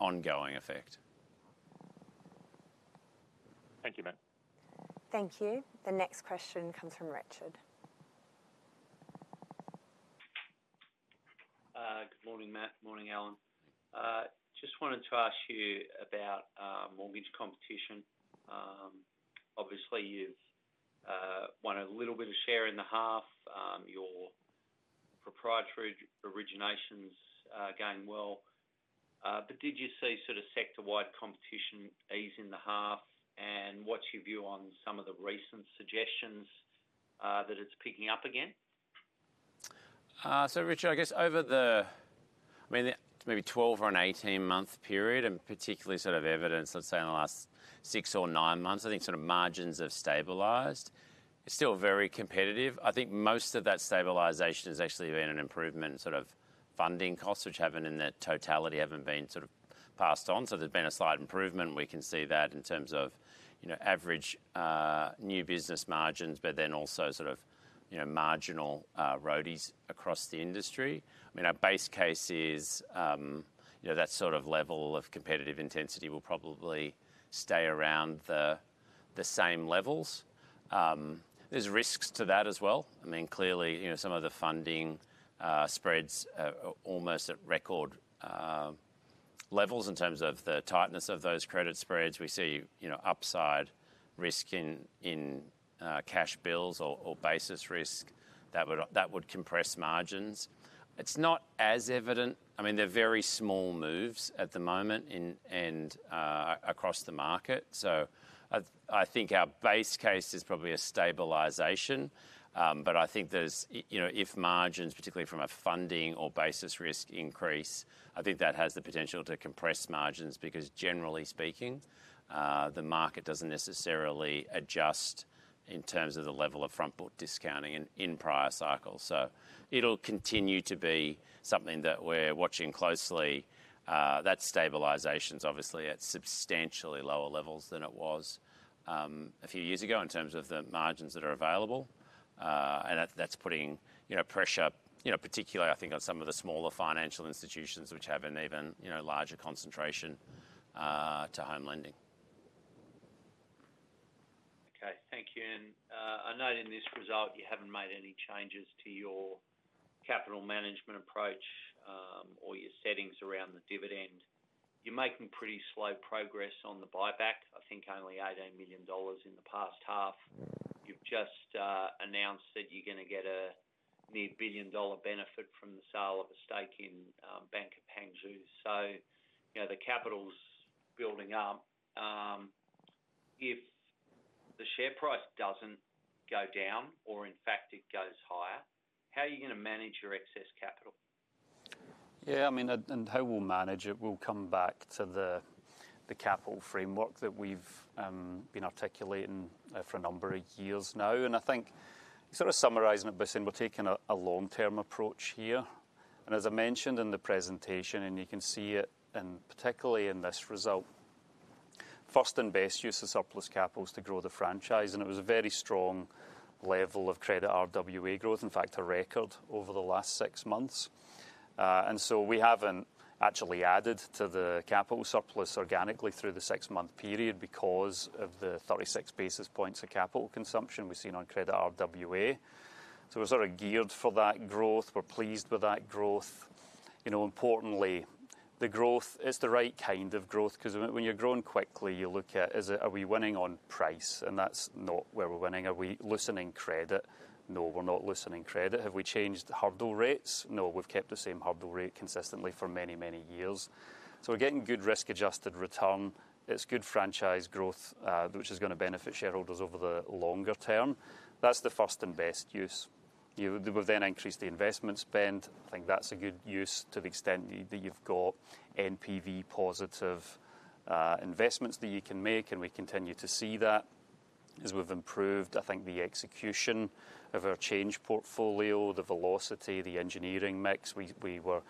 ongoing effect. Thank you, Matt. Thank you. The next question comes from Richard. Good morning, Matt. Morning, Alan. Just wanted to ask you about mortgage competition. Obviously, you've won a little bit of share in the half. Your proprietary originations are going well. But did you see sort of sector-wide competition ease in the half? And what's your view on some of the recent suggestions that it's picking up again? Richard, I guess over the, I mean, maybe twelve or a eighteen month period, and particularly sort of evidence, let's say in the last six or nine months, I think sort of margins have stabilized. It's still very competitive. I think most of that stabilization has actually been an improvement in sort of funding costs, which haven't in their totality been sort of passed on. So there's been a slight improvement. We can see that in terms of, you know, average new business margins, but then also sort of, you know, marginal ROAs across the industry. I mean, our base case is, you know, that sort of level of competitive intensity will probably stay around the same levels. There's risks to that as well. I mean, clearly, you know, some of the funding spreads are almost at record levels in terms of the tightness of those credit spreads. We see, you know, upside risk in cash rates or basis risk that would compress margins. It's not as evident. I mean, they're very small moves at the moment and across the market. So I think our base case is probably a stabilization. But I think there's, you know, if margins, particularly from a funding or basis risk increase, I think that has the potential to compress margins because, generally speaking, the market doesn't necessarily adjust in terms of the level of front book discounting in prior cycles. So it'll continue to be something that we're watching closely. That stabilization is obviously at substantially lower levels than it was a few years ago in terms of the margins that are available. And that's putting, you know, pressure, you know, particularly, I think, on some of the smaller financial institutions, which have an even, you know, larger concentration to home lending. Okay, thank you. And I know in this result you haven't made any changes to your capital management approach or your settings around the dividend. You're making pretty slow progress on the buyback. I think only 18 million dollars in the past half. You've just announced that you're going to get a near 1 billion-dollar benefit from the sale of a stake in Bank of Hangzhou, so you know, the capital's building up. If the share price doesn't go down or, in fact, it goes higher, how are you going to manage your excess capital? Yeah, I mean, and how we'll manage it will come back to the capital framework that we've been articulating for a number of years now, and I think sort of summarizing it by saying we're taking a long-term approach here, and as I mentioned in the presentation, and you can see it particularly in this result, first and best use of surplus capital is to grow the franchise, and it was a very strong level of credit RWA growth, in fact, a record over the last six months. And so we haven't actually added to the capital surplus organically through the six-month period because of the 36 basis points of capital consumption we've seen on credit RWA. So we're sort of geared for that growth. We're pleased with that growth. You know, importantly, the growth is the right kind of growth because when you're growing quickly, you look at, is it, are we winning on price? And that's not where we're winning. Are we loosening credit? No, we're not loosening credit. Have we changed the hurdle rates? No, we've kept the same hurdle rate consistently for many, many years. So we're getting good risk-adjusted return. It's good franchise growth, which is going to benefit shareholders over the longer term. That's the first and best use. You know, we've then increased the investment spend. I think that's a good use to the extent that you've got NPV positive investments that you can make. And we continue to see that as we've improved, I think, the execution of our change portfolio, the velocity, the engineering mix. We were,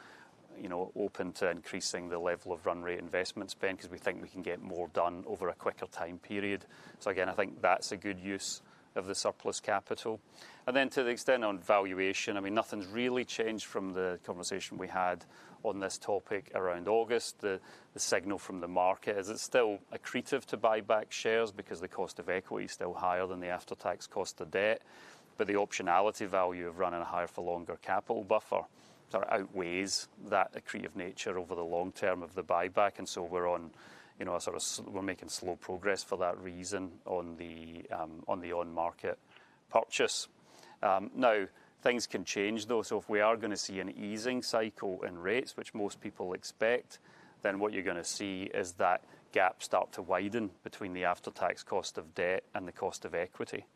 you know, open to increasing the level of run rate investment spend because we think we can get more done over a quicker time period. So again, I think that's a good use of the surplus capital. And then to the extent on valuation, I mean, nothing's really changed from the conversation we had on this topic around August. The signal from the market is it's still accretive to buy back shares because the cost of equity is still higher than the after-tax cost of debt. But the optionality value of running a higher for longer capital buffer sort of outweighs that accretive nature over the long term of the buyback. And so we're on, you know, a sort of, we're making slow progress for that reason on the on-market purchase. Now, things can change, though. So if we are going to see an easing cycle in rates, which most people expect, then what you're going to see is that gap start to widen between the after-tax cost of debt and the cost of equity.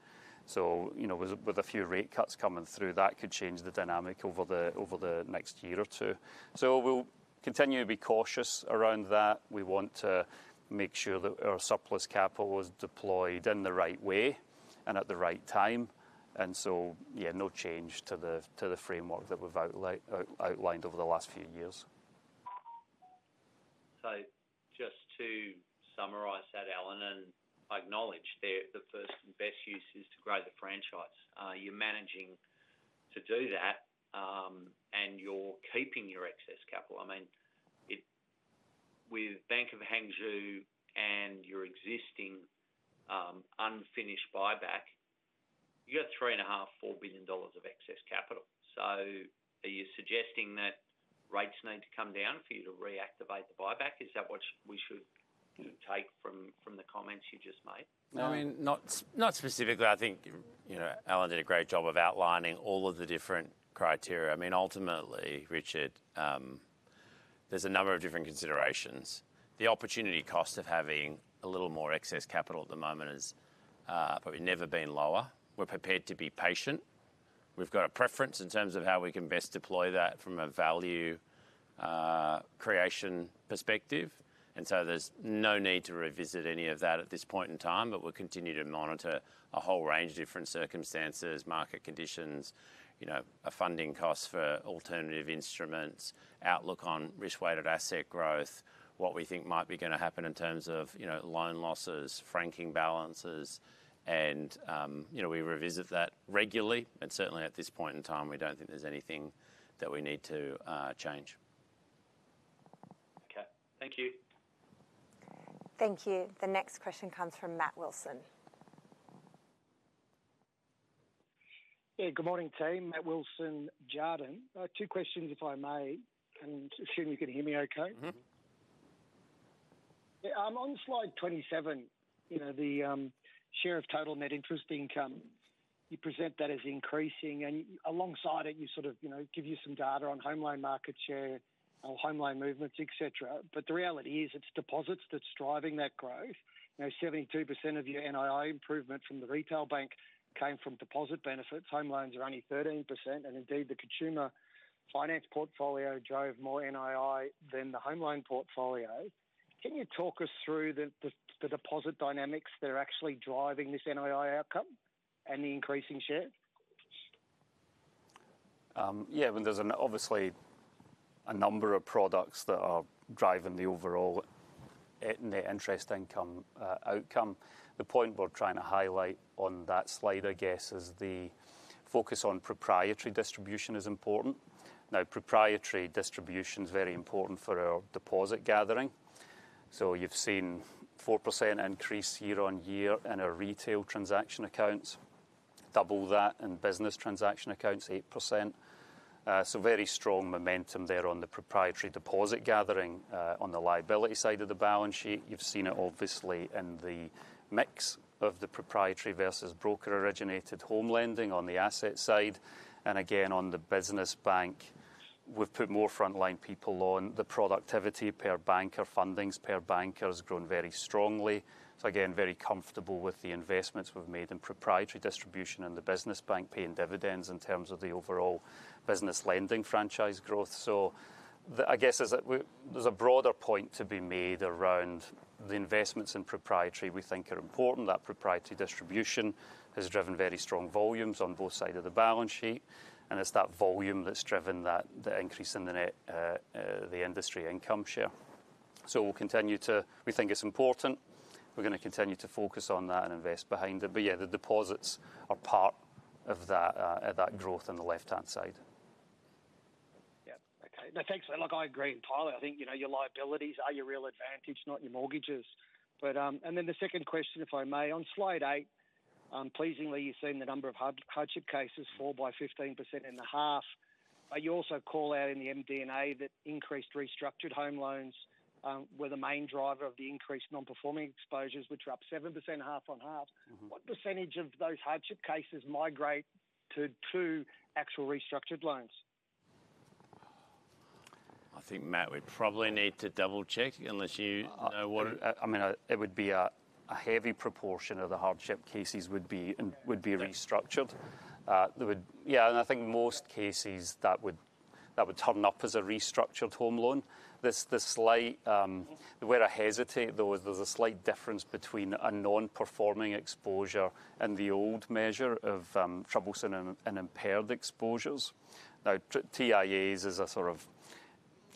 So, you know, with a few rate cuts coming through, that could change the dynamic over the next year or two. So we'll continue to be cautious around that. We want to make sure that our surplus capital is deployed in the right way and at the right time. Yeah, no change to the framework that we've outlined over the last few years. So just to summarize that, Alan, and I acknowledge that the first and best use is to grow the franchise. You're managing to do that, and you're keeping your excess capital. I mean, with Bank of Hangzhou and your existing unfinished buyback, you got 3.5-4 billion dollars of excess capital. So are you suggesting that rates need to come down for you to reactivate the buyback? Is that what we should take from the comments you just made? No, I mean, not specifically. I think, you know, Alan did a great job of outlining all of the different criteria. I mean, ultimately, Richard, there's a number of different considerations. The opportunity cost of having a little more excess capital at the moment has probably never been lower. We're prepared to be patient. We've got a preference in terms of how we can best deploy that from a value creation perspective. And so there's no need to revisit any of that at this point in time. But we'll continue to monitor a whole range of different circumstances, market conditions, you know, funding costs for alternative instruments, outlook on risk-weighted asset growth, what we think might be going to happen in terms of, you know, loan losses, franking balances. And, you know, we revisit that regularly. And certainly, at this point in time, we don't think there's anything that we need to change. Okay, thank you. Thank you. The next question comes from Matt Wilson. Yeah, good morning, team. Matt Wilson Jarden. Two questions, if I may. And assume you can hear me okay. On slide 27, you know, the share of total net interest income, you present that as increasing. And alongside it, you sort of, you know, give you some data on home loan market share, home loan movements, etc. But the reality is it's deposits that's driving that growth. You know, 72% of your NII improvement from the retail bank came from deposit benefits. Home loans are only 13%. And indeed, the consumer finance portfolio drove more NII than the home loan portfolio. Can you talk us through the deposit dynamics that are actually driving this NII outcome and the increasing share? Yeah, I mean, there's obviously a number of products that are driving the overall net interest income outcome. The point we're trying to highlight on that slide, I guess, is the focus on proprietary distribution is important. Now, proprietary distribution is very important for our deposit gathering. So you've seen a 4% increase year-on-year in our retail transaction accounts, double that in business transaction accounts, 8%. So very strong momentum there on the proprietary deposit gathering on the liability side of the balance sheet. You've seen it obviously in the mix of the proprietary versus broker-originated home lending on the asset side. And again, on the business bank, we've put more frontline people on. The productivity per banker, fundings per banker, has grown very strongly. So again, very comfortable with the investments we've made in proprietary distribution and the business bank paying dividends in terms of the overall business lending franchise growth. So I guess there's a broader point to be made around the investments in proprietary we think are important. That proprietary distribution has driven very strong volumes on both sides of the balance sheet. And it's that volume that's driven that increase in the industry income share. So we'll continue to, we think it's important. We're going to continue to focus on that and invest behind it. But yeah, the deposits are part of that growth on the left-hand side. Yeah, okay. Now, thanks. Look, I agree entirely. I think, you know, your liabilities are your real advantage, not your mortgages. But, and then the second question, if I may, on slide eight, pleasingly, you've seen the number of hardship cases fall by 15% in the half. But you also call out in the MD&A that increased restructured home loans were the main driver of the increased non-performing exposures, which are up 7%, half on half. What percentage of those hardship cases migrate to actual restructured loans? I think, Matt, we probably need to double-check unless you know what it is. I mean, it would be a heavy proportion of the hardship cases would be restructured. Yeah, and I think most cases that would turn up as a restructured home loan. The slight, though, there's a slight difference between a non-performing exposure and the old measure of troublesome and impaired exposures. Now, TIAs is a sort of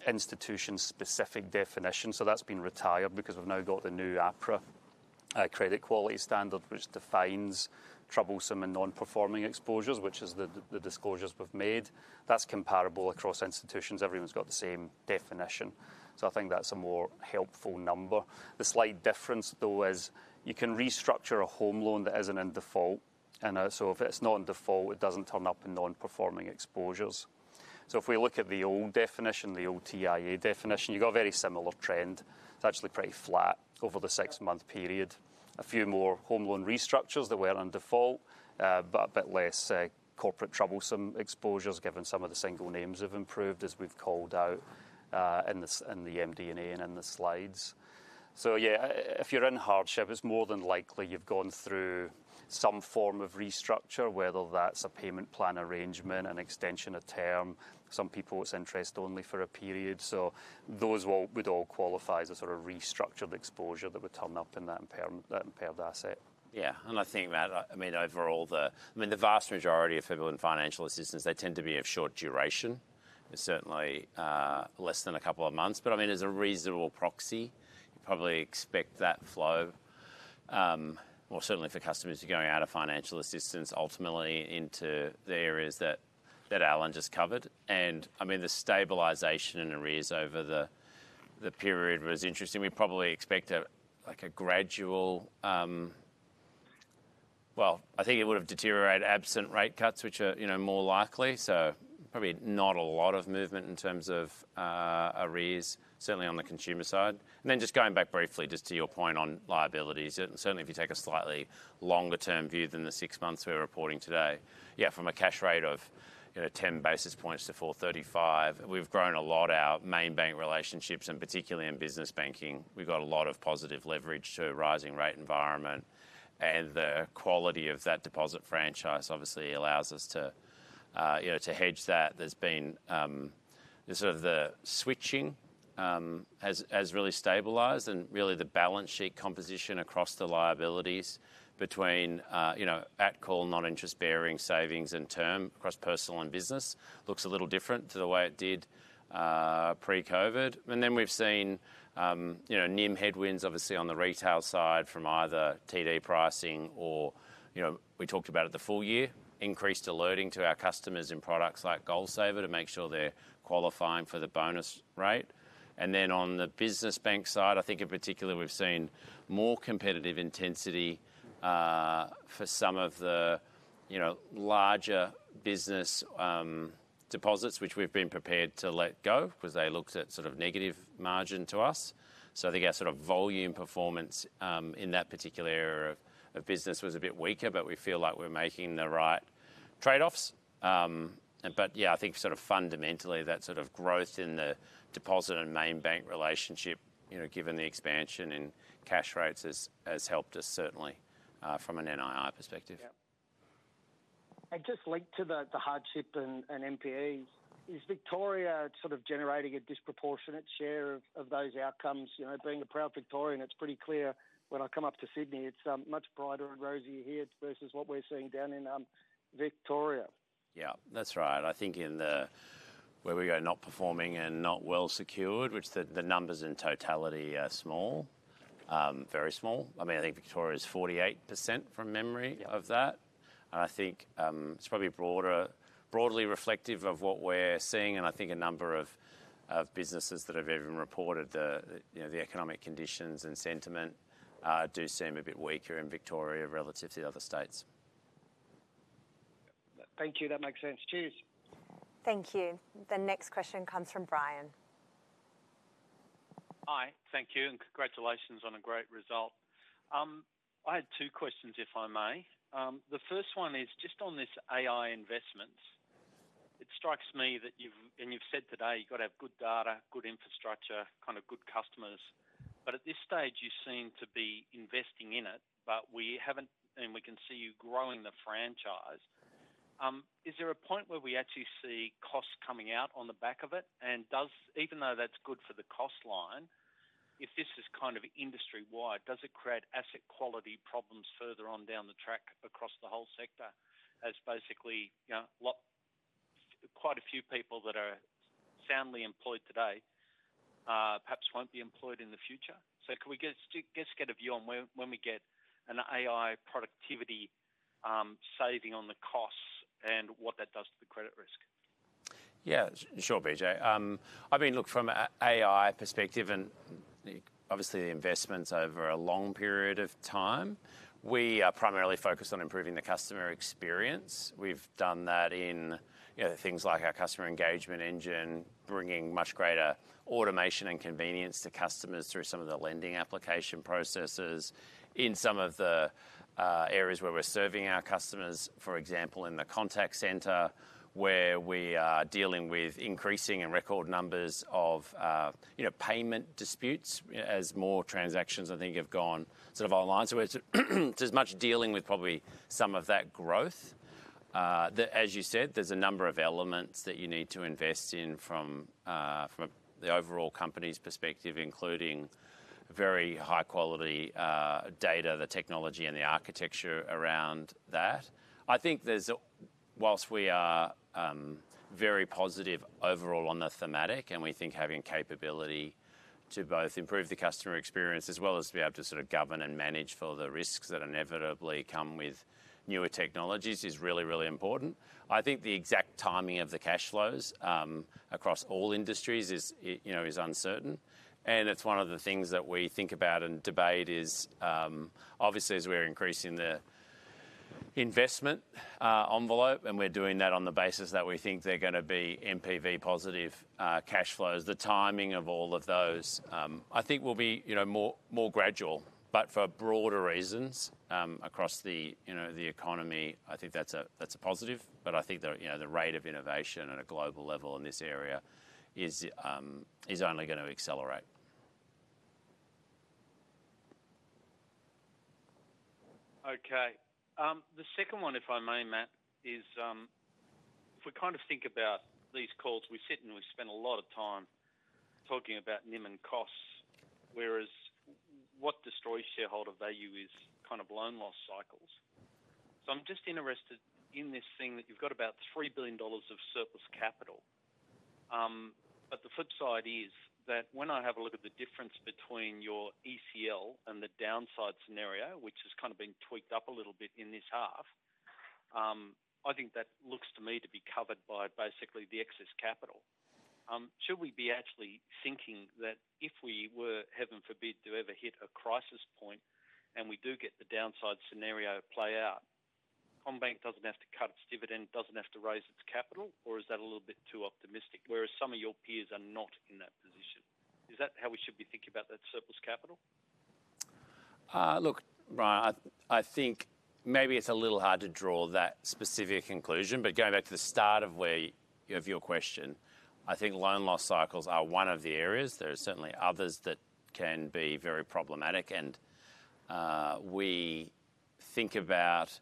institution-specific definition. So that's been retired because we've now got the new APRA credit quality standard, which defines troublesome and non-performing exposures, which is the disclosures we've made. That's comparable across institutions. Everyone's got the same definition. So I think that's a more helpful number. The slight difference, though, is you can restructure a home loan that isn't in default. And so if it's not in default, it doesn't turn up in non-performing exposures. If we look at the old definition, the old TIA definition, you've got a very similar trend. It's actually pretty flat over the six-month period. A few more home loan restructures that weren't in default, but a bit less corporate troublesome exposures, given some of the single names have improved, as we've called out in the MD&A and in the slides. So yeah, if you're in hardship, it's more than likely you've gone through some form of restructure, whether that's a payment plan arrangement, an extension of term, some people it's interest only for a period. So those would all qualify as a sort of restructured exposure that would turn up in that impaired asset. Yeah, and I think, Matt, I mean, overall, I mean, the vast majority of people in financial assistance, they tend to be of short duration. It's certainly less than a couple of months. But I mean, as a reasonable proxy, you probably expect that flow, more certainly for customers who are going out of financial assistance, ultimately into the areas that Alan just covered. And I mean, the stabilization in arrears over the period was interesting. We probably expect a, like a gradual, well, I think it would have deteriorated absent rate cuts, which are, you know, more likely. So probably not a lot of movement in terms of arrears, certainly on the consumer side. And then just going back briefly, just to your point on liabilities, certainly if you take a slightly longer-term view than the six months we're reporting today, yeah, from a cash rate of, you know, 10 basis points to 4.35, we've grown a lot our main bank relationships, and particularly in business banking, we've got a lot of positive leverage to a rising rate environment. The quality of that deposit franchise obviously allows us to, you know, to hedge that. There's sort of the switching has really stabilized and really the balance sheet composition across the liabilities between, you know, at call, non-interest bearing savings and term across personal and business looks a little different to the way it did pre-COVID. And then we've seen, you know, NIM headwinds obviously on the retail side from either TD pricing or, you know, we talked about it the full year, increased alerting to our customers in products like GoalSaver to make sure they're qualifying for the bonus rate. And then on the business bank side, I think in particular we've seen more competitive intensity for some of the, you know, larger business deposits, which we've been prepared to let go because they looked at sort of negative margin to us. So I think our sort of volume performance in that particular area of business was a bit weaker, but we feel like we're making the right trade-offs. But yeah, I think sort of fundamentally that sort of growth in the deposit and main bank relationship, you know, given the expansion in cash rates has helped us certainly from an NII perspective. Yeah. And just linked to the hardship and NPAs, is Victoria sort of generating a disproportionate share of those outcomes? You know, being a proud Victorian, it's pretty clear when I come up to Sydney, it's much brighter and rosier here versus what we're seeing down in Victoria. Yeah, that's right. I think in the non-performing and not well secured, which the numbers in totality are small, very small. I mean, I think Victoria is 48% from memory of that. And I think it's probably broader, broadly reflective of what we're seeing. And I think a number of businesses that have even reported the, you know, the economic conditions and sentiment do seem a bit weaker in Victoria relative to the other states. Thank you. That makes sense. Cheers. Thank you. The next question comes from Brian. Hi, thank you. And congratulations on a great result. I had two questions, if I may. The first one is just on this AI investments. It strikes me that you've, and you've said today you've got to have good data, good infrastructure, kind of good customers. But at this stage, you seem to be investing in it, but we haven't, and we can see you growing the franchise. Is there a point where we actually see costs coming out on the back of it? And does, even though that's good for the cost line, if this is kind of industry-wide, does it create asset quality problems further on down the track across the whole sector? As basically, you know, quite a few people that are soundly employed today perhaps won't be employed in the future. So can we just get a view on when we get an AI productivity saving on the costs and what that does to the credit risk? Yeah, sure, BJ. I mean, look, from an AI perspective and obviously the investments over a long period of time, we are primarily focused on improving the customer experience. We've done that in, you know, things like our Customer Engagement Engine, bringing much greater automation and convenience to customers through some of the lending application processes in some of the areas where we're serving our customers. For example, in the contact center where we are dealing with increasing and record numbers of, you know, payment disputes as more transactions, I think, have gone sort of online. So there's much dealing with probably some of that growth. As you said, there's a number of elements that you need to invest in from the overall company's perspective, including very high-quality data, the technology and the architecture around that. I think there's, whilst we are very positive overall on the thematic, and we think having capability to both improve the customer experience as well as to be able to sort of govern and manage for the risks that inevitably come with newer technologies is really, really important. I think the exact timing of the cash flows across all industries is, you know, is uncertain. It's one of the things that we think about and debate is obviously as we're increasing the investment envelope and we're doing that on the basis that we think they're going to be NPV positive cash flows, the timing of all of those, I think will be, you know, more gradual. But for broader reasons across the, you know, the economy, I think that's a positive. But I think the, you know, the rate of innovation at a global level in this area is only going to accelerate. Okay. The second one, if I may, Matt, is if we kind of think about these calls, we sit and we spend a lot of time talking about NIM and costs, whereas what destroys shareholder value is kind of loan loss cycles. So I'm just interested in this thing that you've got about 3 billion dollars of surplus capital. But the flip side is that when I have a look at the difference between your ECL and the downside scenario, which has kind of been tweaked up a little bit in this half, I think that looks to me to be covered by basically the excess capital. Should we be actually thinking that if we were, heaven forbid, to ever hit a crisis point and we do get the downside scenario play out, CommBank doesn't have to cut its dividend, doesn't have to raise its capital, or is that a little bit too optimistic, whereas some of your peers are not in that position? Is that how we should be thinking about that surplus capital? Look, Brian, I think maybe it's a little hard to draw that specific conclusion, but going back to the start of your question, I think loan loss cycles are one of the areas. There are certainly others that can be very problematic, and we think about,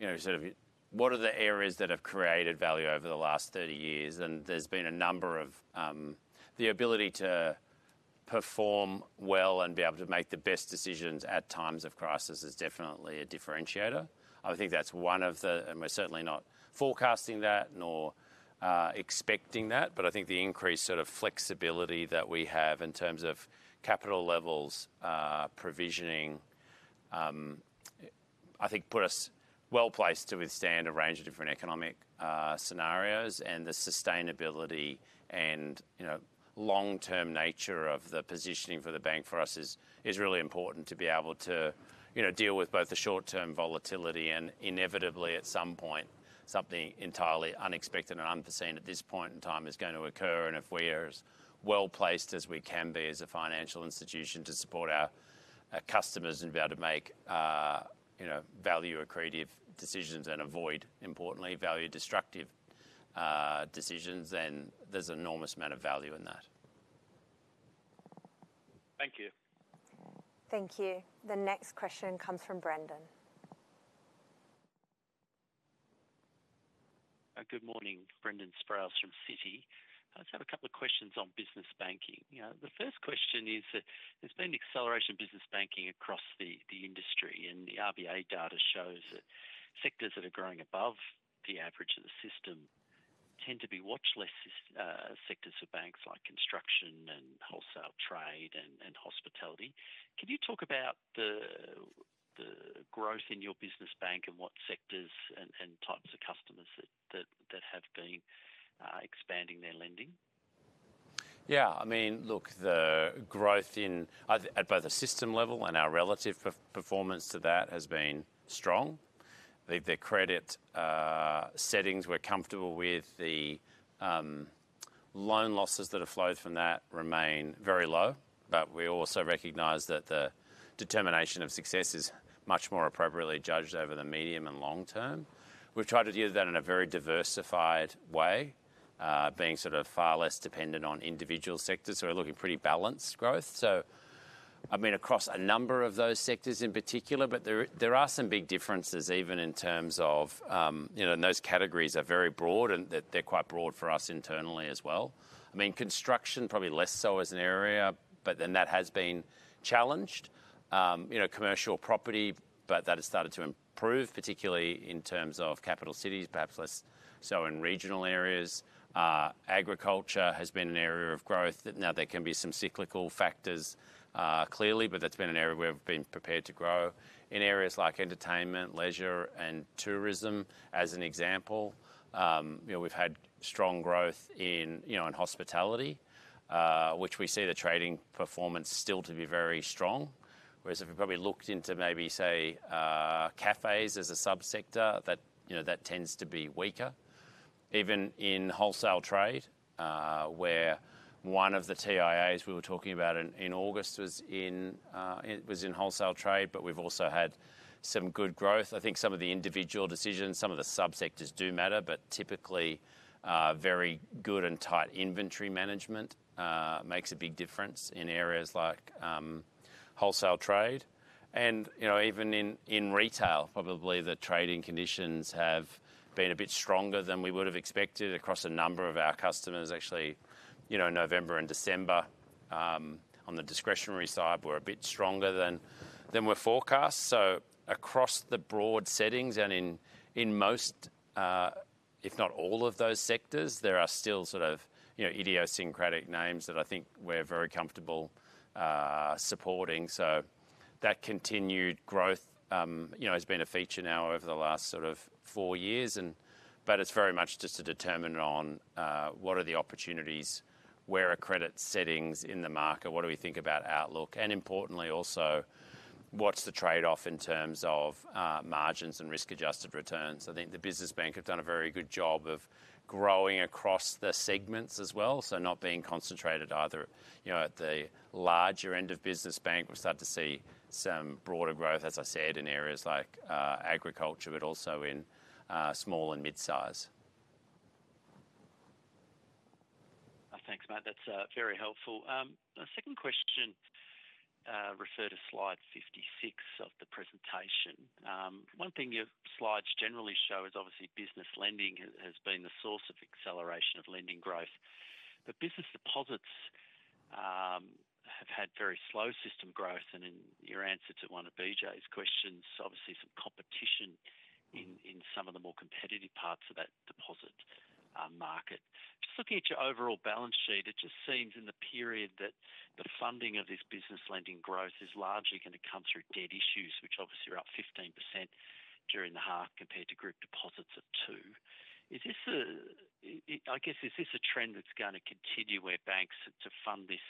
you know, sort of what are the areas that have created value over the last 30 years, and there's been a number of the ability to perform well and be able to make the best decisions at times of crisis is definitely a differentiator. I think that's one of the, and we're certainly not forecasting that nor expecting that, but I think the increased sort of flexibility that we have in terms of capital levels, provisioning, I think put us well placed to withstand a range of different economic scenarios. The sustainability and, you know, long-term nature of the positioning for the bank for us is really important to be able to, you know, deal with both the short-term volatility and inevitably at some point, something entirely unexpected and unforeseen at this point in time is going to occur. And if we are as well placed as we can be as a financial institution to support our customers and be able to make, you know, value accretive decisions and avoid, importantly, value destructive decisions, then there's an enormous amount of value in that. Thank you. Thank you. The next question comes from Brendan. Good morning. Brendan Sproule from Citi. I just have a couple of questions on business banking. The first question is that there's been acceleration of business banking across the industry. And the RBA data shows that sectors that are growing above the average of the system tend to be watchlist sectors for banks like construction and wholesale trade and hospitality. Can you talk about the growth in your business bank and what sectors and types of customers that have been expanding their lending? Yeah. I mean, look, the growth in at both a system level and our relative performance to that has been strong. The credit settings we're comfortable with, the loan losses that have flowed from that remain very low. But we also recognize that the determination of success is much more appropriately judged over the medium and long term. We've tried to do that in a very diversified way, being sort of far less dependent on individual sectors. So we're looking at pretty balanced growth. So I mean, across a number of those sectors in particular, but there are some big differences even in terms of, you know, and those categories are very broad and they're quite broad for us internally as well. I mean, construction probably less so as an area, but then that has been challenged. You know, commercial property, but that has started to improve, particularly in terms of capital cities, perhaps less so in regional areas. Agriculture has been an area of growth. Now there can be some cyclical factors clearly, but that's been an area where we've been prepared to grow. In areas like entertainment, leisure, and tourism as an example, you know, we've had strong growth in, you know, in hospitality, which we see the trading performance still to be very strong. Whereas if we probably looked into maybe say cafes as a subsector, that, you know, that tends to be weaker. Even in wholesale trade, where one of the TIAs we were talking about in August was in wholesale trade, but we've also had some good growth. I think some of the individual decisions, some of the subsectors do matter, but typically very good and tight inventory management makes a big difference in areas like wholesale trade, and you know, even in retail, probably the trading conditions have been a bit stronger than we would have expected across a number of our customers actually, you know, November and December. On the discretionary side, we're a bit stronger than we're forecast, so across the broad settings and in most, if not all of those sectors, there are still sort of, you know, idiosyncratic names that I think we're very comfortable supporting. So that continued growth, you know, has been a feature now over the last sort of four years. And but it's very much dependent on what are the opportunities, where are credit settings in the market, what do we think about outlook? And importantly also, what's the trade-off in terms of margins and risk-adjusted returns? I think the business bank have done a very good job of growing across the segments as well. So not being concentrated either, you know, at the larger end of business bank, we've started to see some broader growth, as I said, in areas like agriculture, but also in small and mid-size. Thanks, Matt. That's very helpful. A second question referred to slide 56 of the presentation. One thing your slides generally show is obviously business lending has been the source of acceleration of lending growth. But business deposits have had very slow system growth. And in your answer to one of BJ's questions, obviously some competition in some of the more competitive parts of that deposit market. Just looking at your overall balance sheet, it just seems in the period that the funding of this business lending growth is largely going to come through debt issues, which obviously are up 15% during the half compared to group deposits of 2%. Is this a, I guess, is this a trend that's going to continue where banks to fund this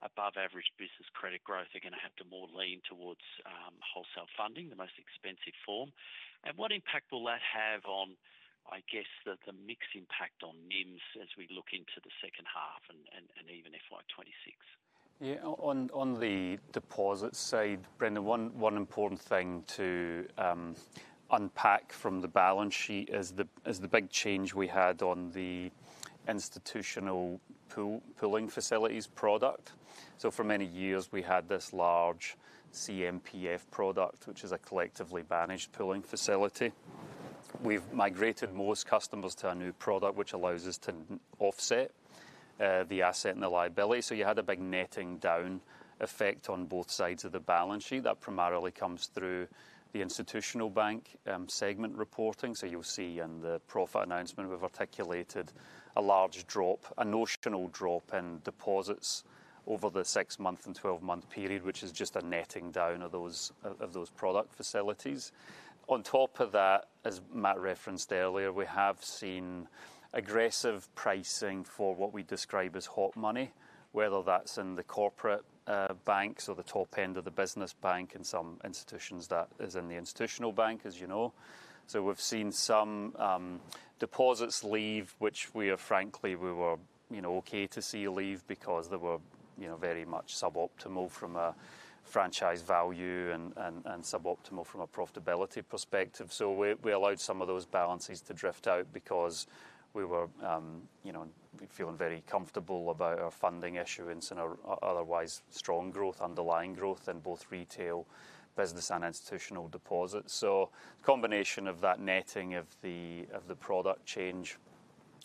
above-average business credit growth are going to have to more lean towards wholesale funding, the most expensive form? And what impact will that have on, I guess, the mixed impact on NIMs as we look into the second half and even FY26? Yeah, on the deposit side, Brendan, one important thing to unpack from the balance sheet is the big change we had on the institutional pooling facilities product. So for many years, we had this large CMPF product, which is a collectively managed pooling facility. We've migrated most customers to a new product, which allows us to offset the asset and the liability. So you had a big netting down effect on both sides of the balance sheet. That primarily comes through the institutional bank segment reporting. So you'll see in the profit announcement, we've articulated a large drop, a notional drop in deposits over the six-month and 12-month period, which is just a netting down of those product facilities. On top of that, as Matt referenced earlier, we have seen aggressive pricing for what we describe as hot money, whether that's in the corporate banks or the top end of the business bank and some institutions that is in the institutional bank, as you know. So we've seen some deposits leave, which we are, frankly, we were, you know, okay to see leave because they were, you know, very much suboptimal from a franchise value and suboptimal from a profitability perspective. So we allowed some of those balances to drift out because we were, you know, feeling very comfortable about our funding issuance and our otherwise strong growth, underlying growth in both retail business and institutional deposits. So a combination of that netting of the product change,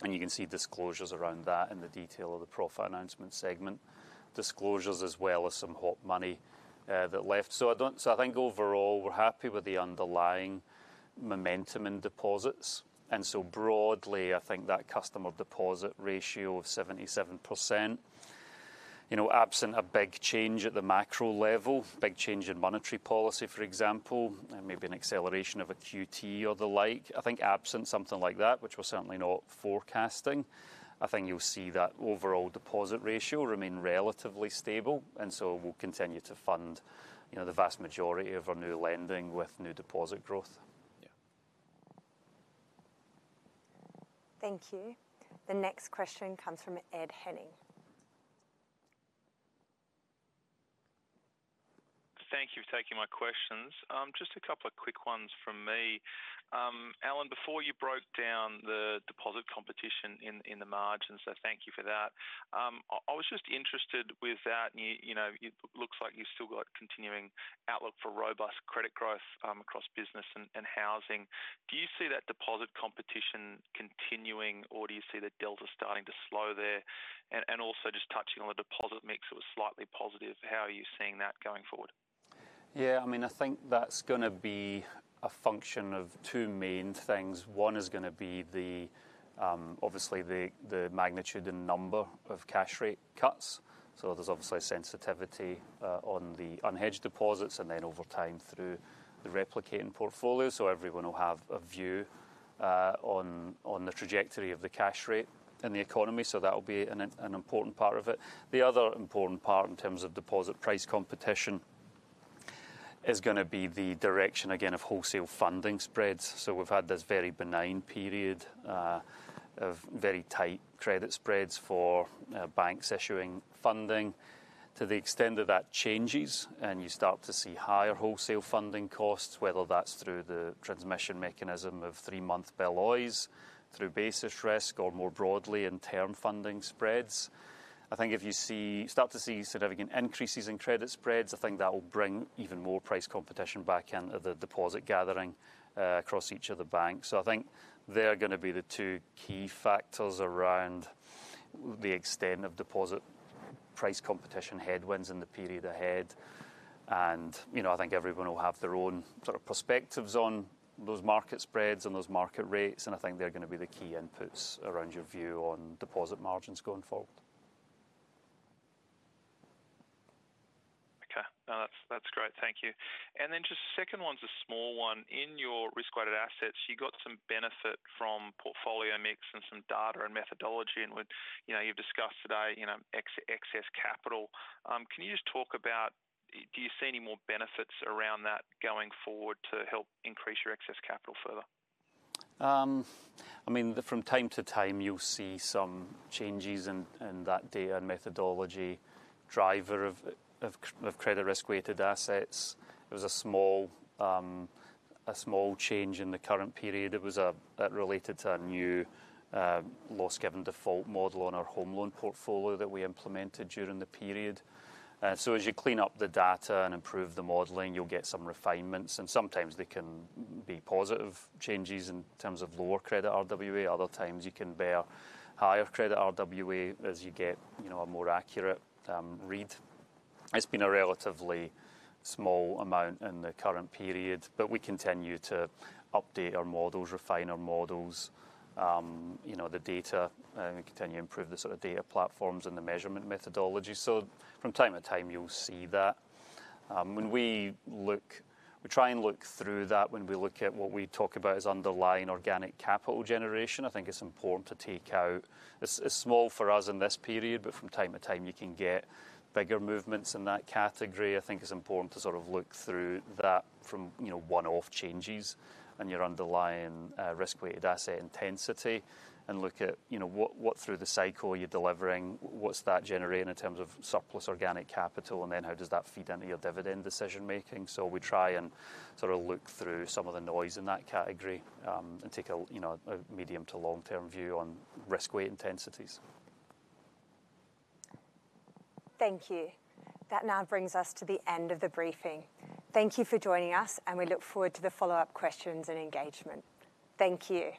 and you can see disclosures around that in the detail of the profit announcement segment, disclosures as well as some hot money that left. So I think overall we're happy with the underlying momentum in deposits. And so broadly, I think that customer deposit ratio of 77%, you know, absent a big change at the macro level, big change in monetary policy, for example, and maybe an acceleration of a QT or the like, I think absent something like that, which we're certainly not forecasting, I think you'll see that overall deposit ratio remain relatively stable. And so we'll continue to fund, you know, the vast majority of our new lending with new deposit growth. Yeah. Thank you. The next question comes from Ed Henning. Thank you for taking my questions. Just a couple of quick ones from me. Alan, before you broke down the deposit competition in the margins, so thank you for that. I was just interested with that, you know, it looks like you've still got a continuing outlook for robust credit growth across business and housing. Do you see that deposit competition continuing, or do you see the delta starting to slow there? And also just touching on the deposit mix, it was slightly positive. How are you seeing that going forward? Yeah, I mean, I think that's going to be a function of two main things. One is going to be the, obviously, the magnitude and number of cash rate cuts. So there's obviously sensitivity on the unhedged deposits and then over time through the replicating portfolio. So everyone will have a view on the trajectory of the cash rate in the economy. So that will be an important part of it. The other important part in terms of deposit price competition is going to be the direction again of wholesale funding spreads. So we've had this very benign period of very tight credit spreads for banks issuing funding. To the extent that that changes and you start to see higher wholesale funding costs, whether that's through the transmission mechanism of three-month BBSW, through basis risk, or more broadly in term funding spreads, I think if you start to see significant increases in credit spreads, I think that will bring even more price competition back into the deposit gathering across each of the banks. So I think they're going to be the two key factors around the extent of deposit price competition headwinds in the period ahead, and you know, I think everyone will have their own sort of perspectives on those market spreads and those market rates. I think they're going to be the key inputs around your view on deposit margins going forward. Okay. That's great. Thank you. And then just the second one's a small one. In your risk-weighted assets, you've got some benefit from portfolio mix and some data and methodology. And you know, you've discussed today, you know, excess capital. Can you just talk about, do you see any more benefits around that going forward to help increase your excess capital further? I mean, from time to time, you'll see some changes in that data and methodology driver of credit risk-weighted assets. It was a small change in the current period. It was related to a new loss given default model on our home loan portfolio that we implemented during the period. And so as you clean up the data and improve the modeling, you'll get some refinements. Sometimes they can be positive changes in terms of lower credit RWA. Other times you can bear higher credit RWA as you get, you know, a more accurate read. It's been a relatively small amount in the current period, but we continue to update our models, refine our models, you know, the data, and continue to improve the sort of data platforms and the measurement methodology. From time to time, you'll see that. When we look, we try and look through that when we look at what we talk about as underlying organic capital generation. I think it's important to take out. It's small for us in this period, but from time to time, you can get bigger movements in that category. I think it's important to sort of look through that from, you know, one-off changes and your underlying risk-weighted asset intensity and look at, you know, what through the cycle you're delivering, what's that generating in terms of surplus organic capital, and then how does that feed into your dividend decision-making. So we try and sort of look through some of the noise in that category and take a, you know, a medium to long-term view on risk-weight intensities. Thank you. That now brings us to the end of the briefing. Thank you for joining us, and we look forward to the follow-up questions and engagement. Thank you.